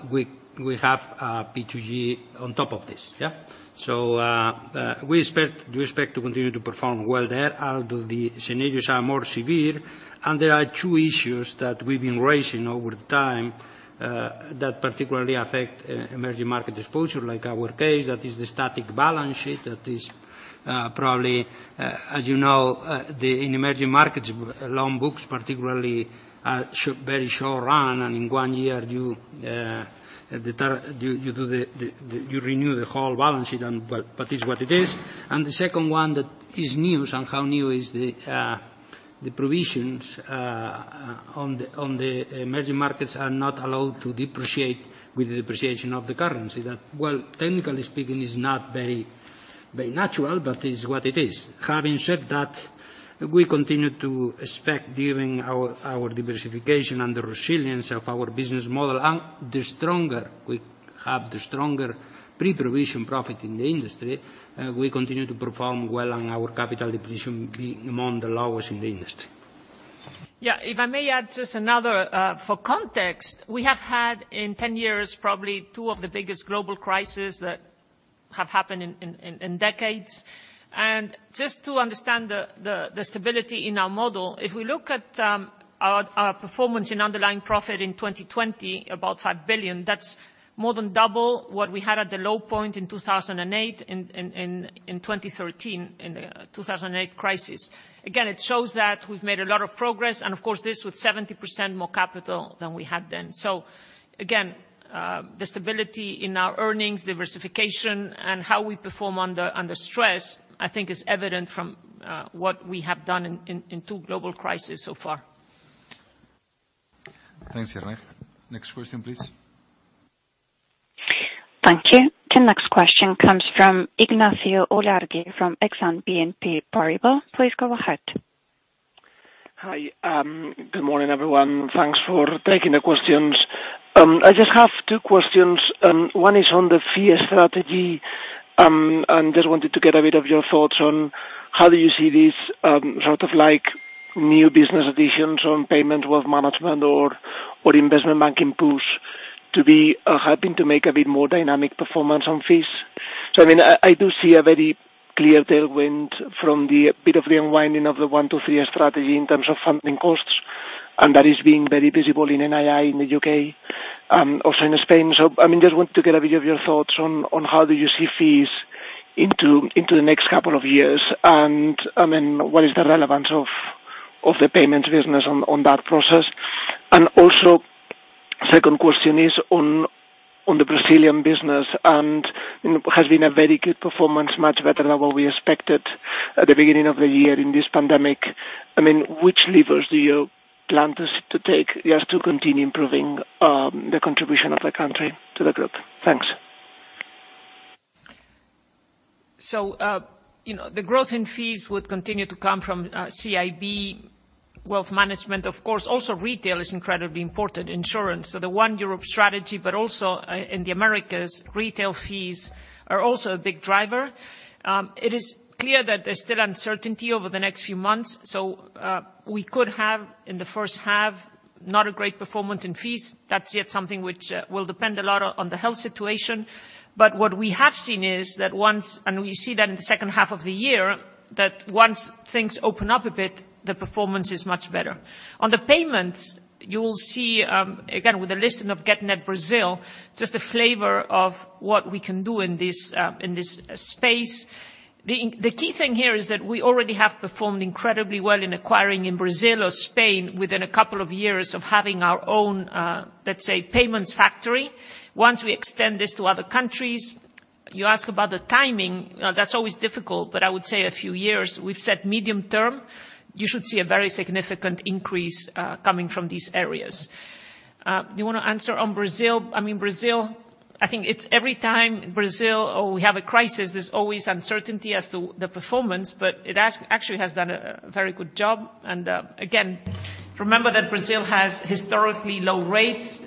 we have P2G on top of this. Yeah? We expect to continue to perform well there, although the scenarios are more severe, and there are two issues that we've been raising over time that particularly affect emerging market exposure, like our case. That is the static balance sheet that is probably, as you know, in emerging markets, long books particularly are very short run, and in one year, you renew the whole balance sheet, but it is what it is. The second one that is new, somehow new is the provisions on the emerging markets are not allowed to depreciate with the depreciation of the currency. That, well, technically speaking, is not very natural, but it is what it is. Having said that, we continue to expect, given our diversification and the resilience of our business model, and the stronger we have, the stronger pre-provision profit in the industry, we continue to perform well on our capital depletion being among the lowest in the industry. Yeah. If I may add just another for context, we have had in 10 years probably two of the biggest global crisis that have happened in decades. Just to understand the stability in our model, if we look at our performance in underlying profit in 2020, about 5 billion, that's more than double what we had at the low point in 2008 and in 2013, in the 2008 crisis. Again, it shows that we've made a lot of progress, and of course this with 70% more capital than we had then. Again, the stability in our earnings, diversification, and how we perform under stress, I think is evident from what we have done in two global crisis so far. Thanks, Jernej. Next question, please. Thank you. The next question comes from Ignacio Ulargui from Exane BNP Paribas. Please go ahead. Hi. Good morning, everyone. Thanks for taking the questions. I just have two questions. One is on the fee strategy. Just wanted to get a bit of your thoughts on how do you see this sort of new business additions on Payments, Wealth Management, or Investment Banking push to be helping to make a bit more dynamic performance on fees. I do see a very clear tailwind from the bit of the unwinding of the 1|2|3 strategy in terms of funding costs, and that is being very visible in NII in the U.K., also in Spain. Just want to get a bit of your thoughts on how do you see fees into the next couple of years, and what is the relevance of the Payments business on that process. Also, second question is on the Brazilian business. It has been a very good performance, much better than what we expected at the beginning of the year in this pandemic. Which levers do you plan to take just to continue improving the contribution of the country to the group? Thanks. The growth in fees would continue to come from CIB, Wealth Management. Of course, also Retail is incredibly important, Insurance. The One Europe strategy, but also in the Americas, retail fees are also a big driver. It is clear that there's still uncertainty over the next few months, so we could have in the first half, not a great performance in fees. That's yet something which will depend a lot on the health situation. What we have seen is that once, and we see that in the second half of the year, that once things open up a bit, the performance is much better. On the Payments, you will see, again, with the listing of Getnet Brazil, just a flavor of what we can do in this space. The key thing here is that we already have performed incredibly well in acquiring in Brazil or Spain within a couple of years of having our own, let's say, Payments factory. Once we extend this to other countries. You ask about the timing. That's always difficult. I would say a few years. We've said medium term, you should see a very significant increase coming from these areas. Do you want to answer on Brazil? Brazil, I think it's every time Brazil, or we have a crisis, there's always uncertainty as to the performance. It actually has done a very good job. Again, remember that Brazil has historically low rates.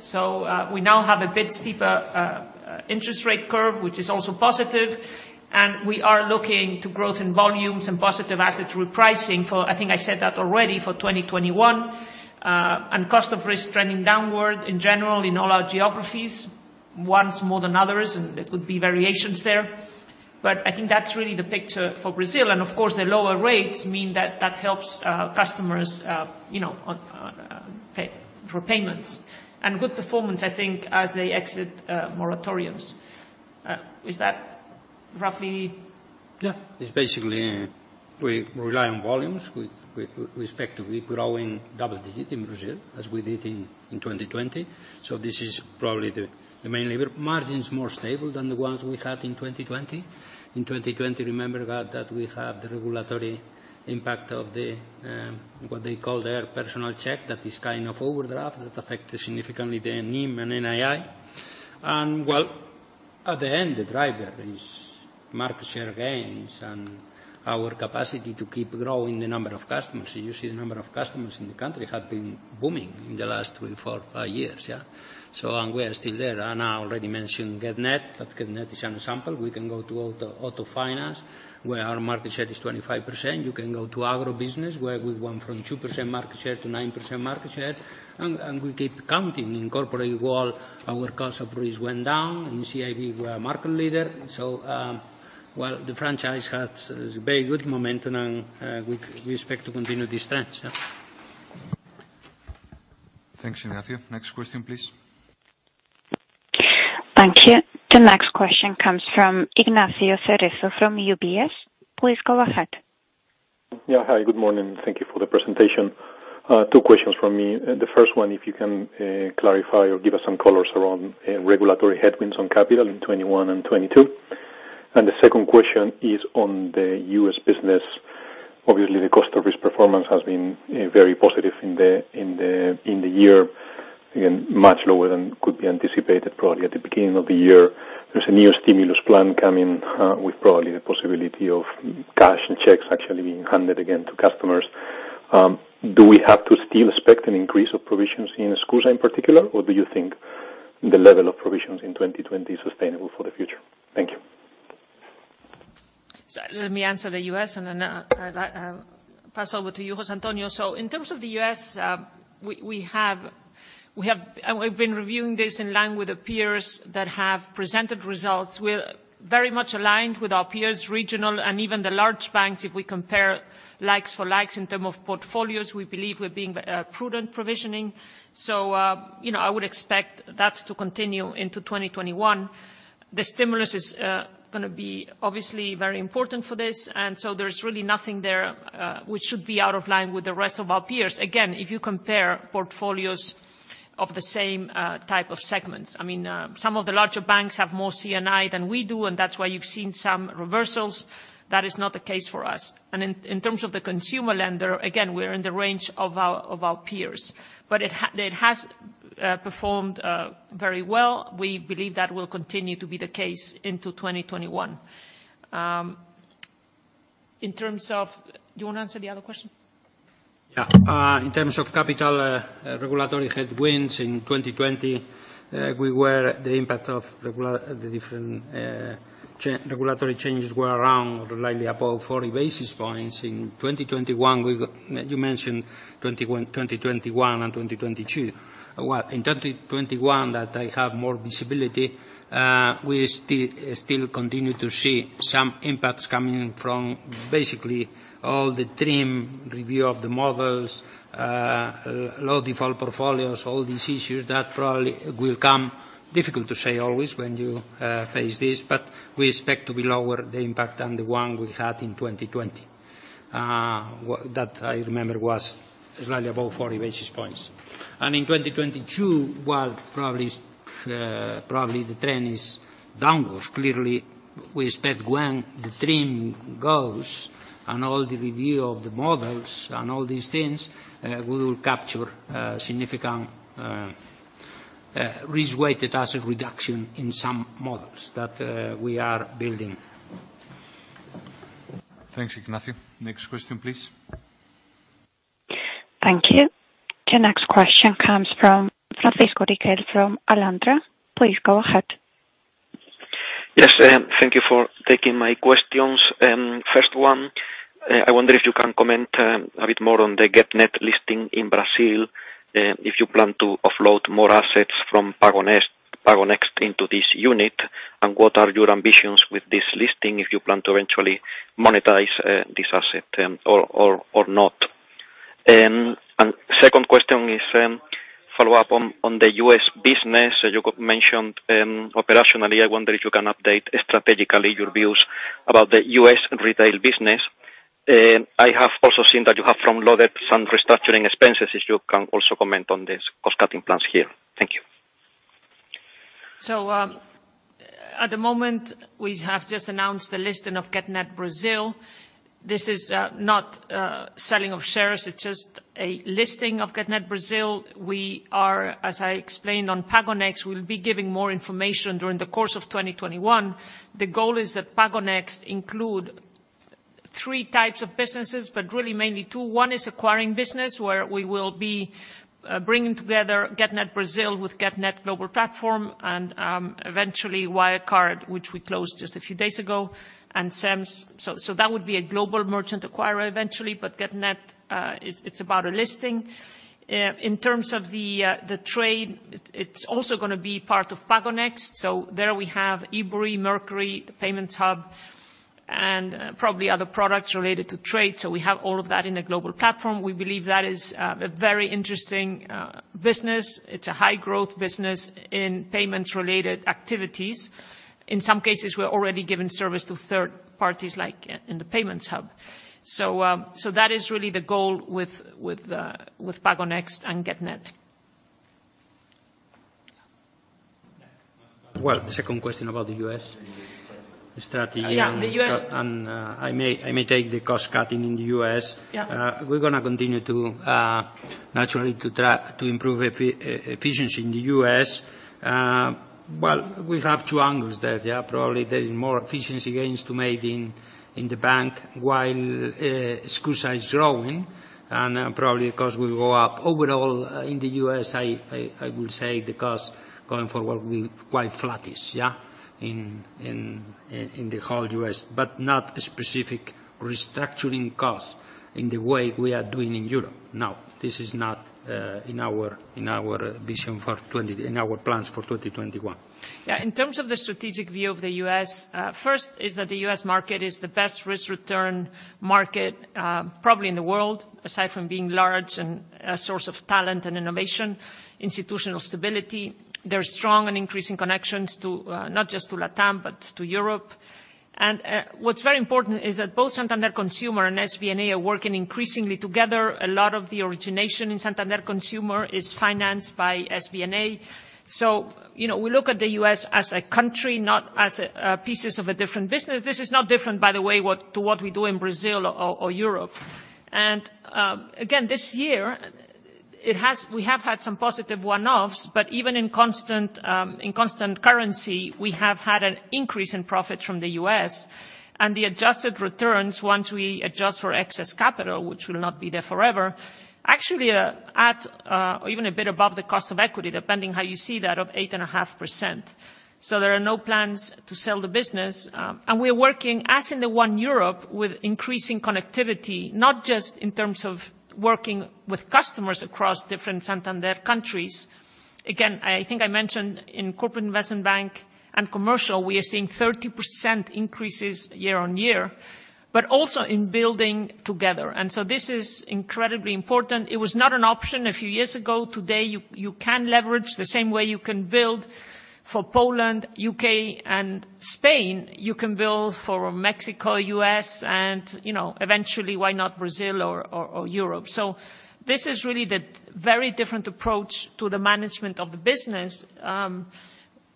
We now have a bit steeper interest rate curve, which is also positive, and we are looking to growth in volumes and positive asset repricing for, I think I said that already, for 2021. Cost of risk trending downward in general in all our geographies. Once more than others, and there could be variations there. I think that's really the picture for Brazil. Of course, the lower rates mean that helps customers for Payments. Good performance, I think, as they exit moratoriums. Is that roughly? Yeah. It's basically, we rely on volumes. We expect to be growing double-digit in Brazil as we did in 2020. This is probably the main lever. Margin's more stable than the ones we had in 2020. In 2020, remember that we have the regulatory impact of the, what they call there, cheque especial, that is kind of overdraft that affect significantly the NIM and NII. Well, at the end, the driver is market share gains and our capacity to keep growing the number of customers. You see the number of customers in the country have been booming in the last three, four, five years, yeah. We are still there, and I already mentioned Getnet, but Getnet is an example. We can go to auto finance, where our market share is 25%. You can go to agribusiness, where we went from 2% market share to 9% market share. We keep counting. In corporate world, our cost of risk went down. In CIB, we are market leader. Well, the franchise has very good momentum, and we expect to continue this trend, yeah. Thanks, Ignacio. Next question, please. Thank you. The next question comes from Ignacio Cerezo from UBS. Please go ahead. Yeah. Hi, good morning. Thank you for the presentation. Two questions from me. The first one, if you can clarify or give us some colors around regulatory headwinds on capital in 2021 and 2022. The second question is on the U.S. business. Obviously, the cost of risk performance has been very positive in the year. Again, much lower than could be anticipated, probably at the beginning of the year. There's a new stimulus plan coming, with probably the possibility of cash and checks actually being handed again to customers. Do we have to still expect an increase of provisions in SCUSA in particular, or do you think the level of provisions in 2020 is sustainable for the future? Thank you. Let me answer the U.S. and then I'll pass over to you, José Antonio. In terms of the U.S., we've been reviewing this in line with the peers that have presented results. We're very much aligned with our peers, regional and even the large banks, if we compare likes for likes in terms of portfolios, we believe we're being prudent provisioning. I would expect that to continue into 2021. The stimulus is going to be obviously very important for this, there's really nothing there which should be out of line with the rest of our peers. Again, if you compare portfolios of the same type of segments. Some of the larger banks have more C&I than we do, and that's why you've seen some reversals. That is not the case for us. In terms of the consumer lender, again, we're in the range of our peers. It has performed very well. We believe that will continue to be the case into 2021. Do you want to answer the other question? Yeah. In terms of capital regulatory headwinds in 2020, the impact of the different regulatory changes were around slightly above 40 basis points. In 2021, you mentioned 2021 and 2022. Well, in 2021, that I have more visibility, we still continue to see some impacts coming from basically all the TRIM review of the models, low default portfolios, all these issues that probably will come. Difficult to say always when you face this, but we expect to be lower the impact than the one we had in 2020. That, I remember, was slightly above 40 basis points. In 2022, well, probably the trend is downwards. Clearly, we expect when the TRIM goes and all the review of the models and all these things, we will capture significant risk-weighted asset reduction in some models that we are building. Thanks, Ignacio. Next question, please. Thank you. The next question comes from Francisco Riquel from Alantra. Please go ahead. Yes, thank you for taking my questions. First one, I wonder if you can comment a bit more on the Getnet listing in Brazil, if you plan to offload more assets from PagoNxt into this unit, and what are your ambitions with this listing, if you plan to eventually monetize this asset or not. Second question is follow up on the U.S. business. You mentioned operationally, I wonder if you can update strategically your views about the U.S. Retail business. I have also seen that you have front-loaded some restructuring expenses, if you can also comment on this cost-cutting plans here. Thank you. At the moment, we have just announced the listing of Getnet Brazil. This is not selling of shares, it's just a listing of Getnet Brazil. As I explained on PagoNxt, we will be giving more information during the course of 2021. The goal is that PagoNxt include three types of businesses, but really mainly two. One is acquiring business, where we will be bringing together Getnet Brazil with Getnet global platform and eventually Wirecard, which we closed just a few days ago, and SEMS. That would be a global merchant acquirer eventually, but Getnet it's about a listing. In terms of the trade, it's also going to be part of PagoNxt. There we have Ebury, Mercury, the Payments Hub, and probably other products related to trade. We have all of that in a global platform. We believe that is a very interesting business. It's a high growth business in Payments related activities. In some cases, we're already giving service to third parties, like in the Payments Hub. That is really the goal with PagoNxt and Getnet. Well, the second question about the U.S. Yeah. I may take the cost cutting in the U.S. Yeah. We're going to continue naturally to improve efficiency in the U.S. Well, we have two angles there. Probably there is more efficiency gains to made in the bank while is growing and probably the cost will go up. Overall, in the U.S., I will say the cost going forward will be quite flattish in the whole U.S., but not specific restructuring costs in the way we are doing in Europe. This is not in our vision, in our plans for 2021. Yeah. In terms of the strategic view of the U.S., first is that the U.S. market is the best risk return market probably in the world, aside from being large and a source of talent and innovation, institutional stability. There are strong and increasing connections not just to LATAM, but to Europe. What's very important is that both Santander Consumer and SBNA are working increasingly together. A lot of the origination in Santander Consumer is financed by SBNA. We look at the U.S. as a country, not as pieces of a different business. This is not different, by the way, to what we do in Brazil or Europe. Again, this year, we have had some positive one-offs, but even in constant currency, we have had an increase in profit from the U.S. and the adjusted returns once we adjust for excess capital, which will not be there forever, actually at even a bit above the cost of equity, depending how you see that, of 8.5%. There are no plans to sell the business. We are working, as in the One Europe, with increasing connectivity, not just in terms of working with customers across different Santander countries. Again, I think I mentioned in Corporate & Investment Bank and Commercial, we are seeing 30% increases year-over-year, but also in building together. This is incredibly important. It was not an option a few years ago. Today, you can leverage the same way you can build for Poland, U.K., and Spain, you can build for Mexico, U.S., and eventually, why not Brazil or Europe. This is really the very different approach to the management of the business,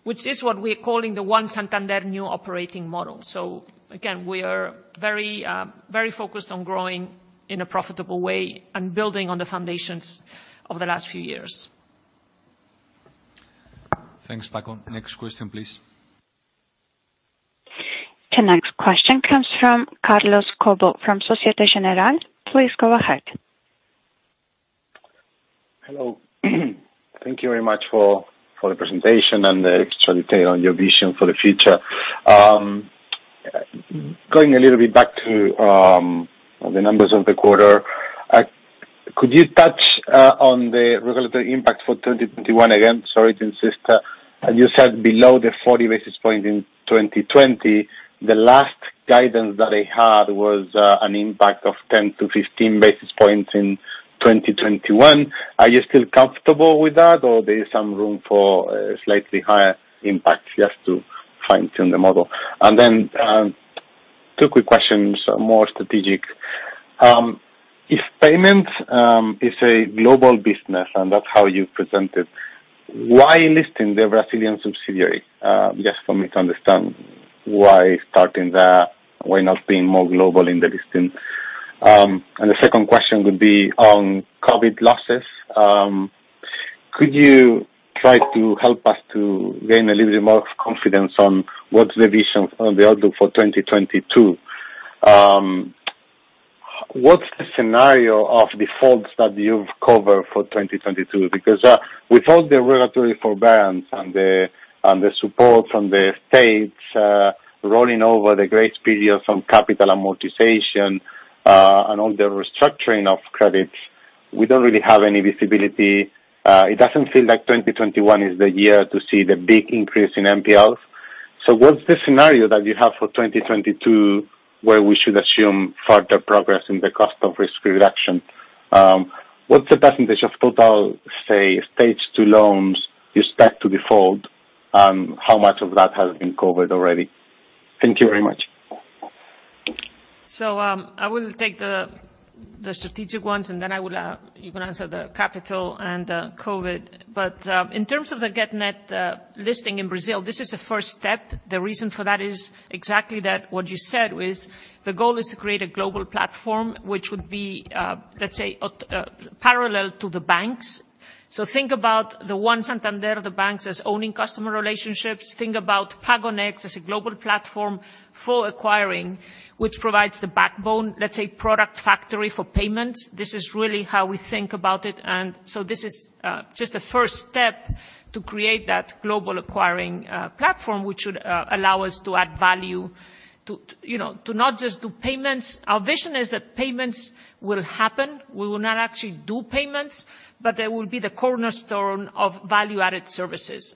which is what we're calling the One Santander new operating model. Again, we are very focused on growing in a profitable way and building on the foundations over the last few years. Thanks, Francisco. Next question, please. The next question comes from Carlos Cobo from Societe Generale. Please go ahead. Hello. Thank you very much for the presentation and the extra detail on your vision for the future. Going a little bit back to the numbers of the quarter, could you touch on the regulatory impact for 2021 again? Sorry to insist. You said below the 40 basis points in 2020. The last guidance that I had was an impact of 10-15 basis points in 2021. Are you still comfortable with that or there is some room for slightly higher impact just to fine-tune the model? Two quick questions, more strategic. If Payments is a global business, and that's how you present it, why listing the Brazilian subsidiary? Just for me to understand why starting there, why not being more global in the listing. The second question would be on COVID losses. Could you try to help us to gain a little bit more confidence on what's the vision on the outlook for 2022? What's the scenario of defaults that you've covered for 2022? Without the regulatory forbearance and the support from the states rolling over the grace period from capital amortization and all the restructuring of credits, we don't really have any visibility. It doesn't feel like 2021 is the year to see the big increase in NPLs. What's the scenario that you have for 2022 where we should assume further progress in the cost of reduction? What's the percentage of total, say, stage two loans you expect to default, and how much of that has been covered already? Thank you very much. I will take the strategic ones, and then you can answer the capital and the COVID. In terms of the Getnet listing in Brazil, this is a first step. The reason for that is exactly that what you said was, the goal is to create a global platform, which would be, let's say, parallel to the banks. Think about the One Santander, the banks as owning customer relationships. Think about PagoNxt as a global platform for acquiring, which provides the backbone, let's say, product factory for Payments. This is really how we think about it. This is just a first step to create that global acquiring platform, which would allow us to add value to not just do Payments. Our vision is that Payments will happen. We will not actually do Payments, but they will be the cornerstone of value-added services.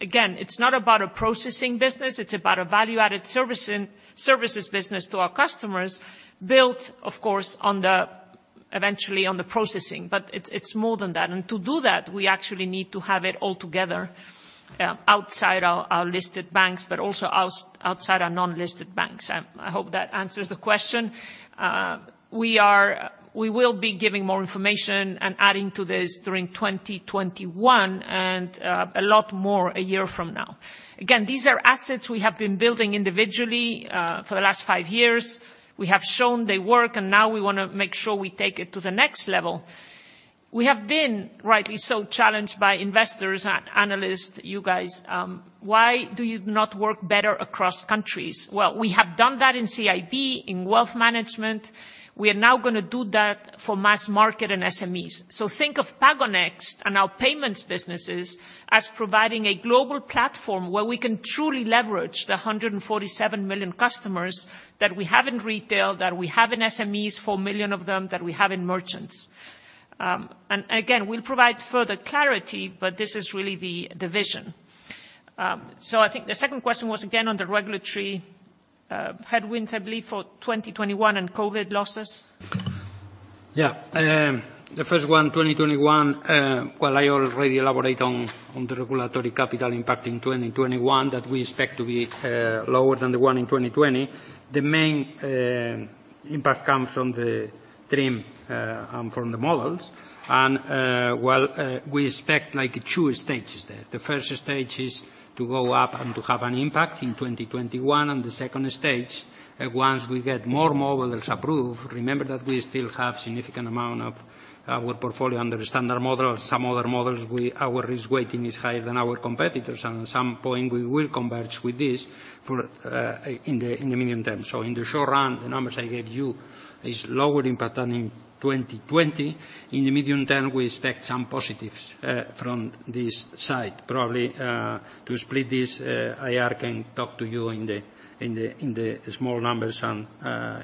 Again, it's not about a processing business, it's about a value-added services business to our customers, built, of course, eventually on the processing. It's more than that. To do that, we actually need to have it all together, outside our listed banks, but also outside our non-listed banks. I hope that answers the question. We will be giving more information and adding to this during 2021 and a lot more a year from now. Again, these are assets we have been building individually, for the last five years. We have shown they work, and now we want to make sure we take it to the next level. We have been rightly so challenged by investors and analysts, you guys. Why do you not work better across countries? Well, we have done that in CIB, in Wealth Management. We are now going to do that for mass market and SMEs. Think of PagoNxt and our Payments businesses as providing a global platform where we can truly leverage the 147 million customers that we have in retail, that we have in SMEs, four million of them, that we have in merchants. Again, we'll provide further clarity, but this is really the vision. I think the second question was again on the regulatory headwinds, I believe, for 2021 and COVID losses. Yeah. The first one, 2021, well, I already elaborate on the regulatory capital impact in 2021 that we expect to be lower than the one in 2020. The main impact comes from the TRIM and from the models. Well, we expect two stages there. The first stage is to go up and to have an impact in 2021, and the second stage, once we get more models approved, remember that we still have significant amount of our portfolio under standard models, some other models, our risk weighting is higher than our competitors. At some point we will converge with this in the medium term. In the short run, the numbers I gave you is lower impact than in 2020. In the medium term, we expect some positives from this side. Probably, to split this, IR can talk to you in the small numbers and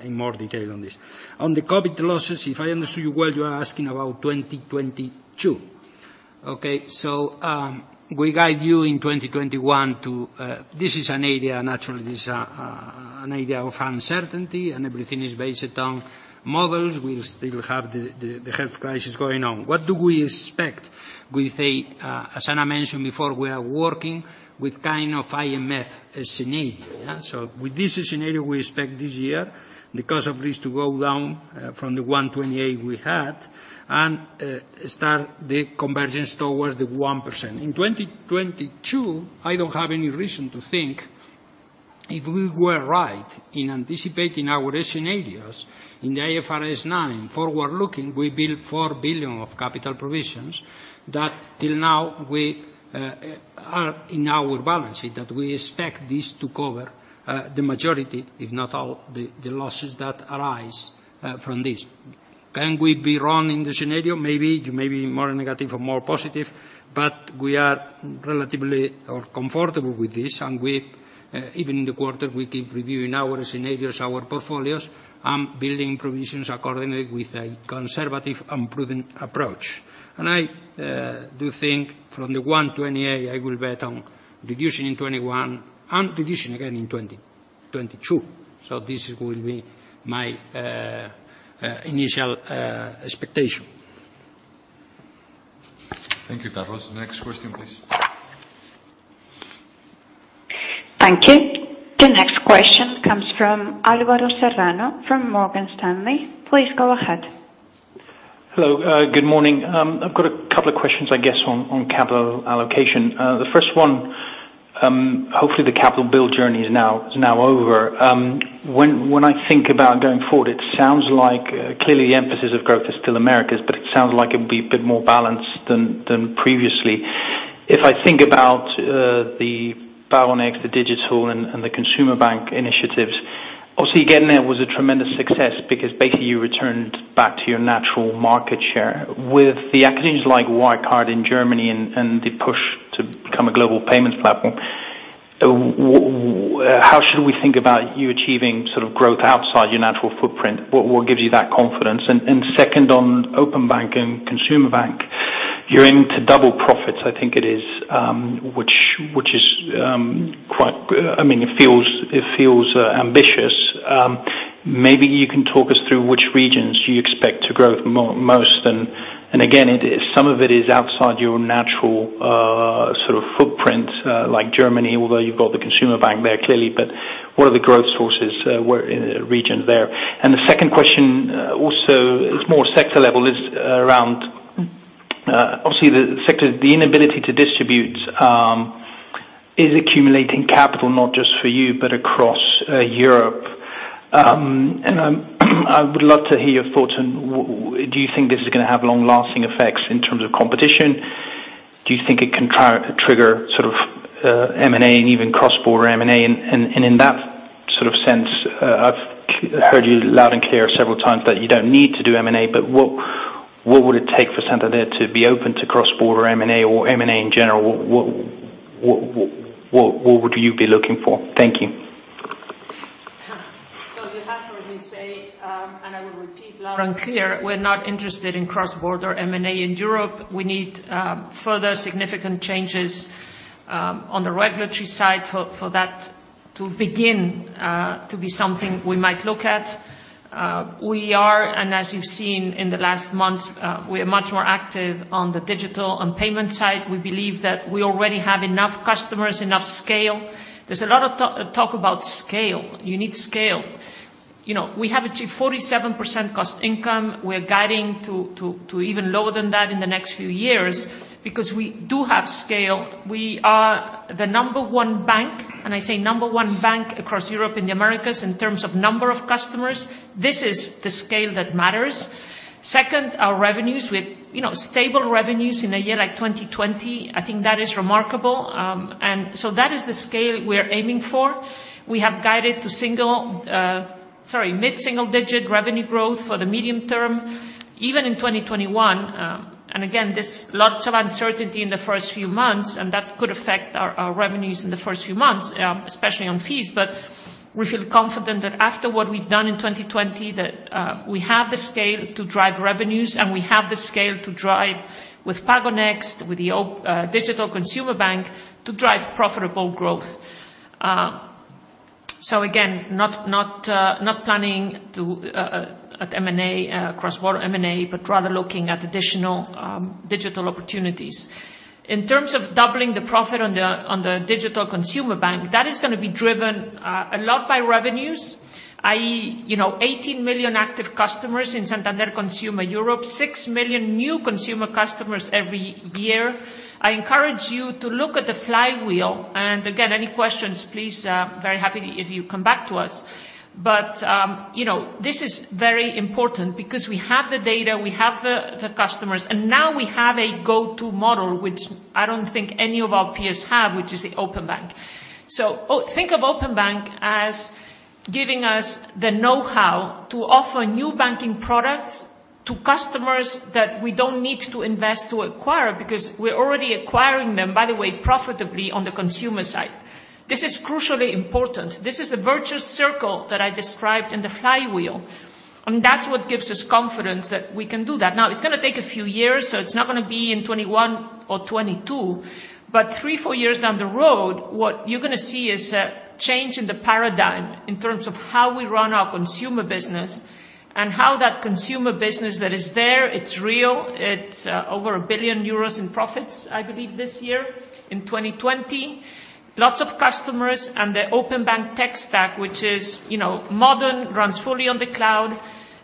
in more detail on this. On the COVID losses, if I understood you well, you are asking about 2022. Okay. We guide you in 2021 to, this is an area, naturally, this an area of uncertainty, and everything is based on models. We still have the health crisis going on. What do we expect? As Ana mentioned before, we are working with kind of IMF scenario. Yeah. With this scenario, we expect this year the cost of risk to go down from the 1.28% we had and start the convergence towards the 1%. In 2022, I don't have any reason to think if we were right in anticipating our scenarios in the IFRS 9 forward-looking, we build 4 billion of capital provisions that till now we are in our balance sheet, that we expect this to cover the majority, if not all, the losses that arise from this. Can we be wrong in the scenario? Maybe. Maybe more negative or more positive, we are relatively comfortable with this, even in the quarter, we keep reviewing our scenarios, our portfolios, and building provisions accordingly with a conservative and prudent approach. I do think from the 1.28%, I will bet on reducing in 2021 and reducing again in 2022. This will be my initial expectation. Thank you, Carlos. Next question, please. Thank you. The next question comes from Alvaro Serrano from Morgan Stanley. Please go ahead. Hello. Good morning. I've got a couple of questions, I guess, on capital allocation. The first one, hopefully the capital build journey is now over. When I think about going forward, it sounds like clearly the emphasis of growth is still Americas, but it sounds like it would be a bit more balanced than previously. If I think about the PagoNxt, the Digital, and the Consumer Bank initiatives, obviously Getnet was a tremendous success because basically you returned back to your natural market share. With the acquisitions like Wirecard in Germany and the push to become a global payments platform, how should we think about you achieving sort of growth outside your natural footprint? What gives you that confidence? Second, on Openbank and Consumer Bank. You're aiming to double profits, I think it is, which it feels ambitious. Maybe you can talk us through which regions you expect to grow most. Again, some of it is outside your natural sort of footprint, like Germany. Although you've got the Consumer Bank there, clearly. What are the growth sources region there? The second question also is more sector level, is around, obviously, the sector, the inability to distribute is accumulating capital, not just for you, but across Europe. I would love to hear your thoughts on, do you think this is going to have long-lasting effects in terms of competition? Do you think it can trigger sort of M&A and even cross-border M&A? In that sort of sense, I've heard you loud and clear several times that you don't need to do M&A, but what would it take for Santander to be open to cross-border M&A or M&A in general? What would you be looking for? Thank you. You have heard me say, and I will repeat loud and clear, we're not interested in cross-border M&A in Europe. We need further significant changes on the regulatory side for that to begin to be something we might look at. We are, and as you've seen in the last month, we are much more active on the Digital and Payments side. We believe that we already have enough customers, enough scale. There's a lot of talk about scale. You need scale. We have achieved 47% cost income. We're guiding to even lower than that in the next few years because we do have scale. We are the number one bank, and I say number one bank across Europe and the Americas in terms of number of customers. This is the scale that matters. Second, our revenues. With stable revenues in a year like 2020, I think that is remarkable. That is the scale we are aiming for. We have guided to mid-single digit revenue growth for the medium term, even in 2021. Again, there's lots of uncertainty in the first few months, and that could affect our revenues in the first few months, especially on fees. We feel confident that after what we've done in 2020, that we have the scale to drive revenues, and we have the scale to drive with PagoNxt, with the Digital Consumer Bank, to drive profitable growth. Again, not planning at M&A, cross-border M&A, but rather looking at additional digital opportunities. In terms of doubling the profit on the Digital Consumer Bank, that is going to be driven a lot by revenues, i.e., 18 million active customers in Santander Consumer Europe, 6 million new consumer customers every year. I encourage you to look at the flywheel. Again, any questions, please, very happily if you come back to us. This is very important, because we have the data, we have the customers, and now we have a go-to model, which I don't think any of our peers have, which is the Openbank. Think of Openbank as giving us the knowhow to offer new banking products to customers that we don't need to invest to acquire because we're already acquiring them, by the way, profitably on the consumer side. This is crucially important. This is the virtuous circle that I described in the flywheel, and that's what gives us confidence that we can do that. It's going to take a few years, so it's not going to be in 2021 or 2022. Three, four years down the road, what you're going to see is a change in the paradigm in terms of how we run our consumer business and how that consumer business that is there, it's real. It's over 1 billion euros in profits, I believe, this year in 2020. Lots of customers and the Openbank tech stack, which is modern, runs fully on the cloud.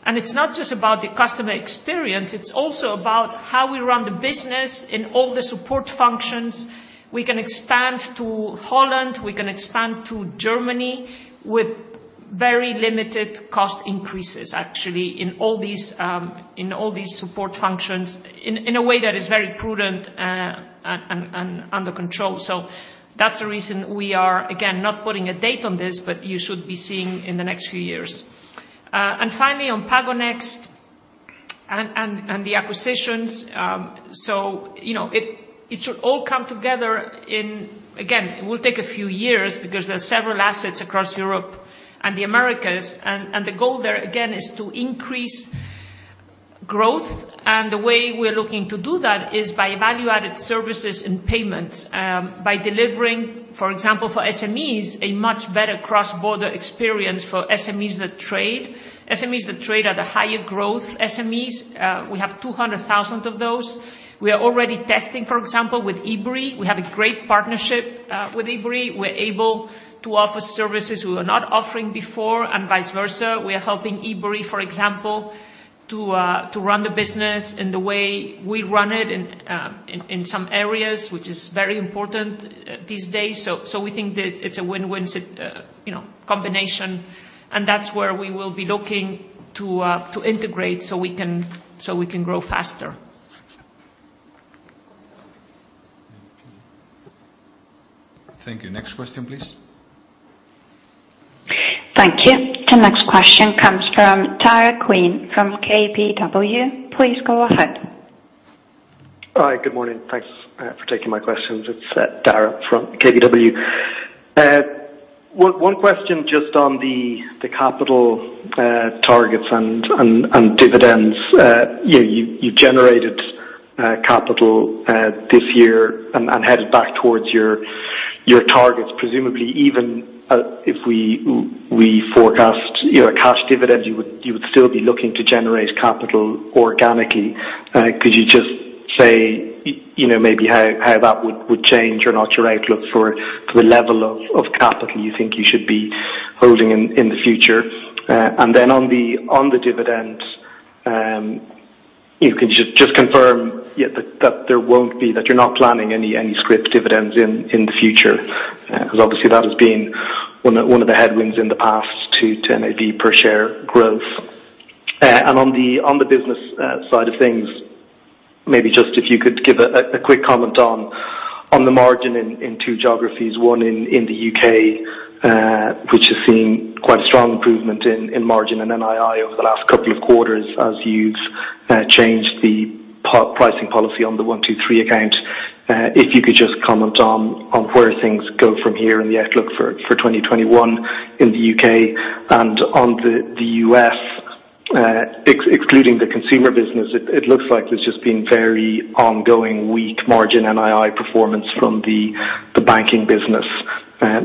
It's not just about the customer experience, it's also about how we run the business in all the support functions. We can expand to Holland, we can expand to Germany with very limited cost increases, actually, in all these support functions in a way that is very prudent and under control. That's the reason we are, again, not putting a date on this, but you should be seeing in the next few years. Finally, on PagoNxt and the acquisitions. It should all come together in, again, it will take a few years because there are several assets across Europe and the Americas. The goal there, again, is to increase growth. The way we're looking to do that is by value-added services and payments. By delivering, for example, for SMEs, a much better cross-border experience for SMEs that trade. SMEs that trade are the higher growth SMEs. We have 200,000 of those. We are already testing, for example, with Ebury. We have a great partnership with Ebury. We're able to offer services we were not offering before, and vice versa. We are helping Ebury, for example, to run the business in the way we run it in some areas, which is very important these days. We think that it's a win-win combination, and that's where we will be looking to integrate so we can grow faster. Thank you. Next question, please. Thank you. The next question comes from Daragh Quinn from KBW. Please go ahead. Hi. Good morning. Thanks for taking my questions. It's Daragh from KBW. One question just on the capital targets and dividends. You generated capital this year and headed back towards your targets. Presumably, even if we forecast a cash dividend, you would still be looking to generate capital organically. Could you just say maybe how that would change or not your outlook for the level of capital you think you should be holding in the future? On the dividends, if you could just confirm that you're not planning any scrip dividends in the future, because obviously that has been one of the headwinds in the past to NAV per share growth. On the business side of things, maybe just if you could give a quick comment on the margin in two geographies, one in the U.K., which has seen quite strong improvement in margin and NII over the last couple of quarters as you've changed the pricing policy on the 1|2|3 account. If you could just comment on where things go from here and the outlook for 2021 in the U.K. On the U.S., excluding the consumer business, it looks like there's just been very ongoing weak margin NII performance from the banking business.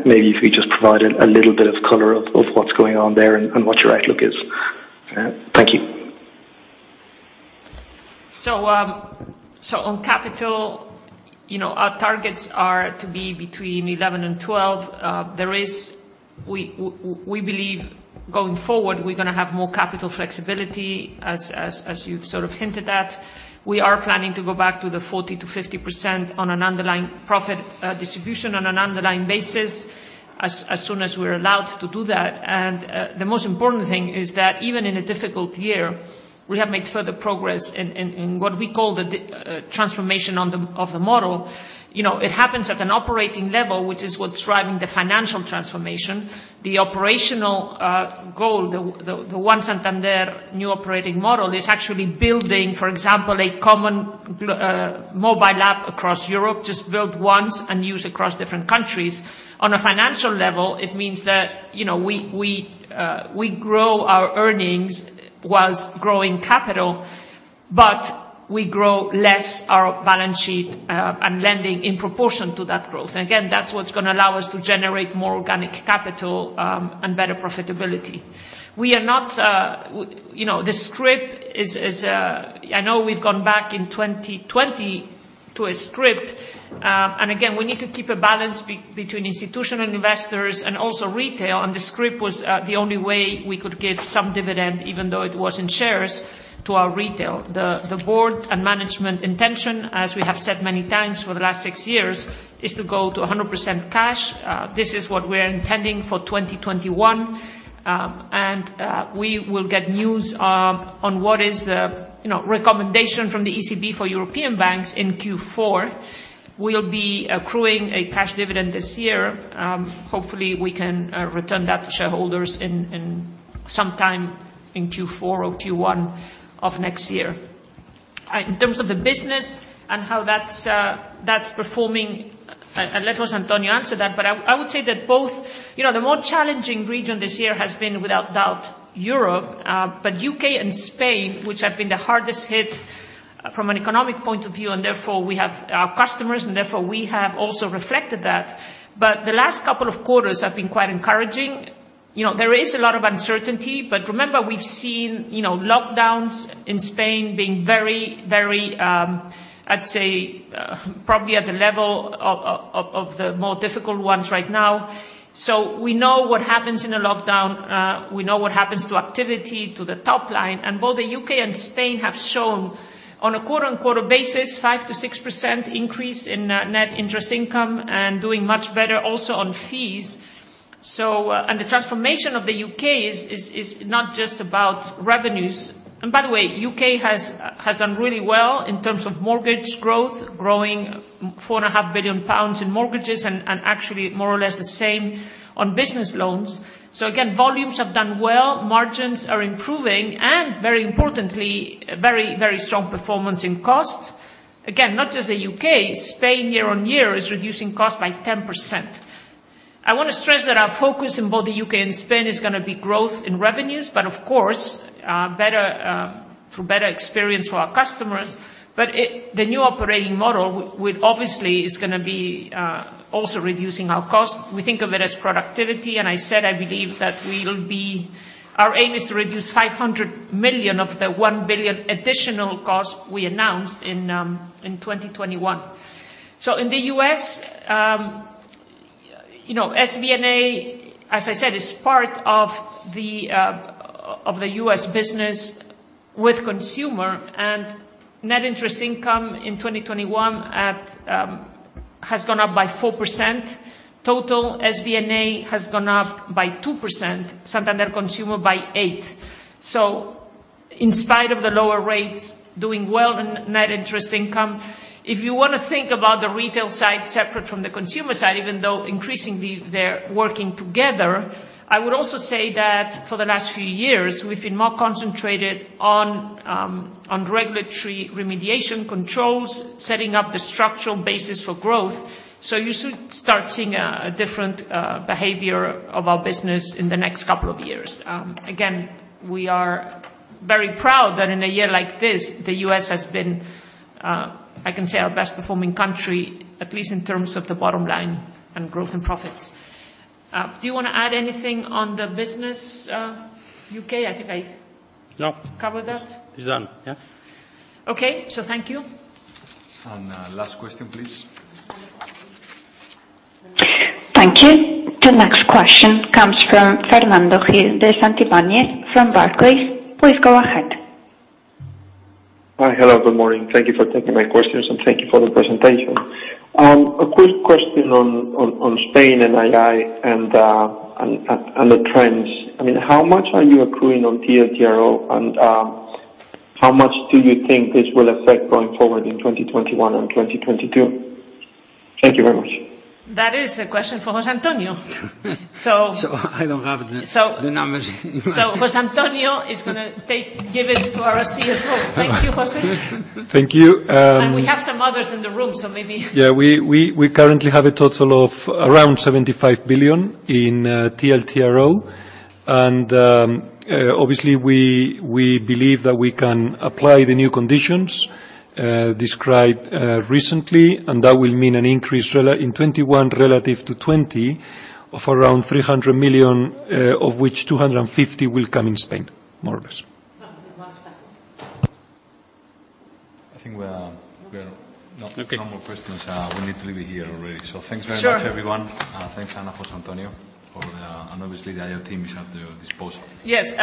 Maybe if you just provide a little bit of color of what's going on there and what your outlook is. Thank you. On capital, our targets are to be between 11 and 12. We believe going forward, we're going to have more capital flexibility, as you've sort of hinted at. We are planning to go back to the 40%-50% on an underlying profit distribution on an underlying basis as soon as we're allowed to do that. The most important thing is that even in a difficult year, we have made further progress in what we call the transformation of the model. It happens at an operating level, which is what's driving the financial transformation. The operational goal, the One Santander new operating model, is actually building, for example, a common mobile app across Europe, just build once and use across different countries. On a financial level, it means that we grow our earnings while growing capital, but we grow less our balance sheet and lending in proportion to that growth. Again, that's what's going to allow us to generate more organic capital and better profitability. I know we've gone back in 2020 to a scrip. Again, we need to keep a balance between institutional investors and also retail, the scrip was the only way we could give some dividend, even though it was in shares to our retail. The board and management intention, as we have said many times for the last six years, is to go to 100% cash. This is what we're intending for 2021. We will get news on what is the recommendation from the ECB for European banks in Q4. We'll be accruing a cash dividend this year. Hopefully, we can return that to shareholders sometime in Q4 or Q1 of next year. In terms of the business and how that's performing, I'll let José Antonio answer that. I would say that both the more challenging region this year has been, without doubt, Europe. U.K. and Spain, which have been the hardest hit from an economic point of view, and therefore we have our customers, and therefore we have also reflected that. The last couple of quarters have been quite encouraging. There is a lot of uncertainty. Remember, we've seen lockdowns in Spain being very, I'd say, probably at the level of the more difficult ones right now. We know what happens in a lockdown. We know what happens to activity, to the top line. Both the U.K. and Spain have shown on a quarter-over-quarter basis, 5%-6% increase in net interest income and doing much better also on fees. The transformation of the U.K. is not just about revenues. By the way, U.K. has done really well in terms of mortgage growth, growing four and a half billion pounds in mortgages, and actually more or less the same on business loans. Again, volumes have done well, margins are improving, and very importantly, very strong performance in cost. Again, not just the U.K., Spain year-over-year is reducing cost by 10%. I want to stress that our focus in both the U.K. and Spain is going to be growth in revenues, but of course, through better experience for our customers. The new operating model obviously is going to be also reducing our cost. We think of it as productivity. I said I believe that our aim is to reduce 500 million of the 1 billion additional cost we announced in 2021. In the U.S., SBNA, as I said, is part of the U.S. business with Santander Consumer. Net interest income in 2021 has gone up by 4%. Total SBNA has gone up by 2%, Santander Consumer by 8%. In spite of the lower rates doing well in net interest income, if you want to think about the Retail side separate from the Santander Consumer side, even though increasingly they're working together, I would also say that for the last few years, we've been more concentrated on regulatory remediation controls, setting up the structural basis for growth. You should start seeing a different behavior of our business in the next couple of years. Again, we are very proud that in a year like this, the U.S. has been, I can say, our best performing country, at least in terms of the bottom line and growth and profits. Do you want to add anything on the business, U.K.? No. Covered that. It's done, yeah. Okay. Thank you. Last question, please. Thank you. The next question comes from Fernando Gil de Santivañes from Barclays. Please go ahead. Hi. Hello, good morning. Thank you for taking my questions, and thank you for the presentation. A quick question on Spain and NII and the trends. How much are you accruing on TLTRO, and how much do you think this will affect going forward in 2021 and 2022? Thank you very much. That is a question for José Antonio. I don't have the numbers. José Antonio is going to give it to our CFO. Thank you, José. Thank you. We have some others in the room, so maybe. Yeah. We currently have a total of around 75 billion in TLTRO, and obviously we believe that we can apply the new conditions described recently, and that will mean an increase in 2021 relative to 2020 of around 300 million, of which 250 will come in Spain, more or less. One second. I think we are not- Okay... getting more questions. We need to leave it here already. Thanks very much, everyone. Sure. Thanks, Ana, José Antonio. Obviously the IR team is at your disposal. Yes.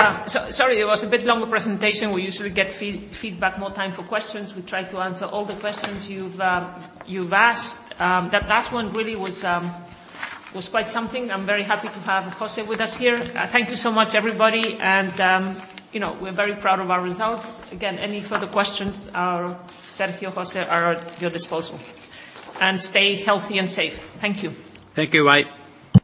Sorry it was a bit longer presentation. We usually get feedback, more time for questions. We tried to answer all the questions you've asked. That last one really was quite something. I'm very happy to have José with us here. Thank you so much, everybody. We're very proud of our results. Again, any further questions, Sergio, José, are at your disposal. Stay healthy and safe. Thank you. Thank you. Bye.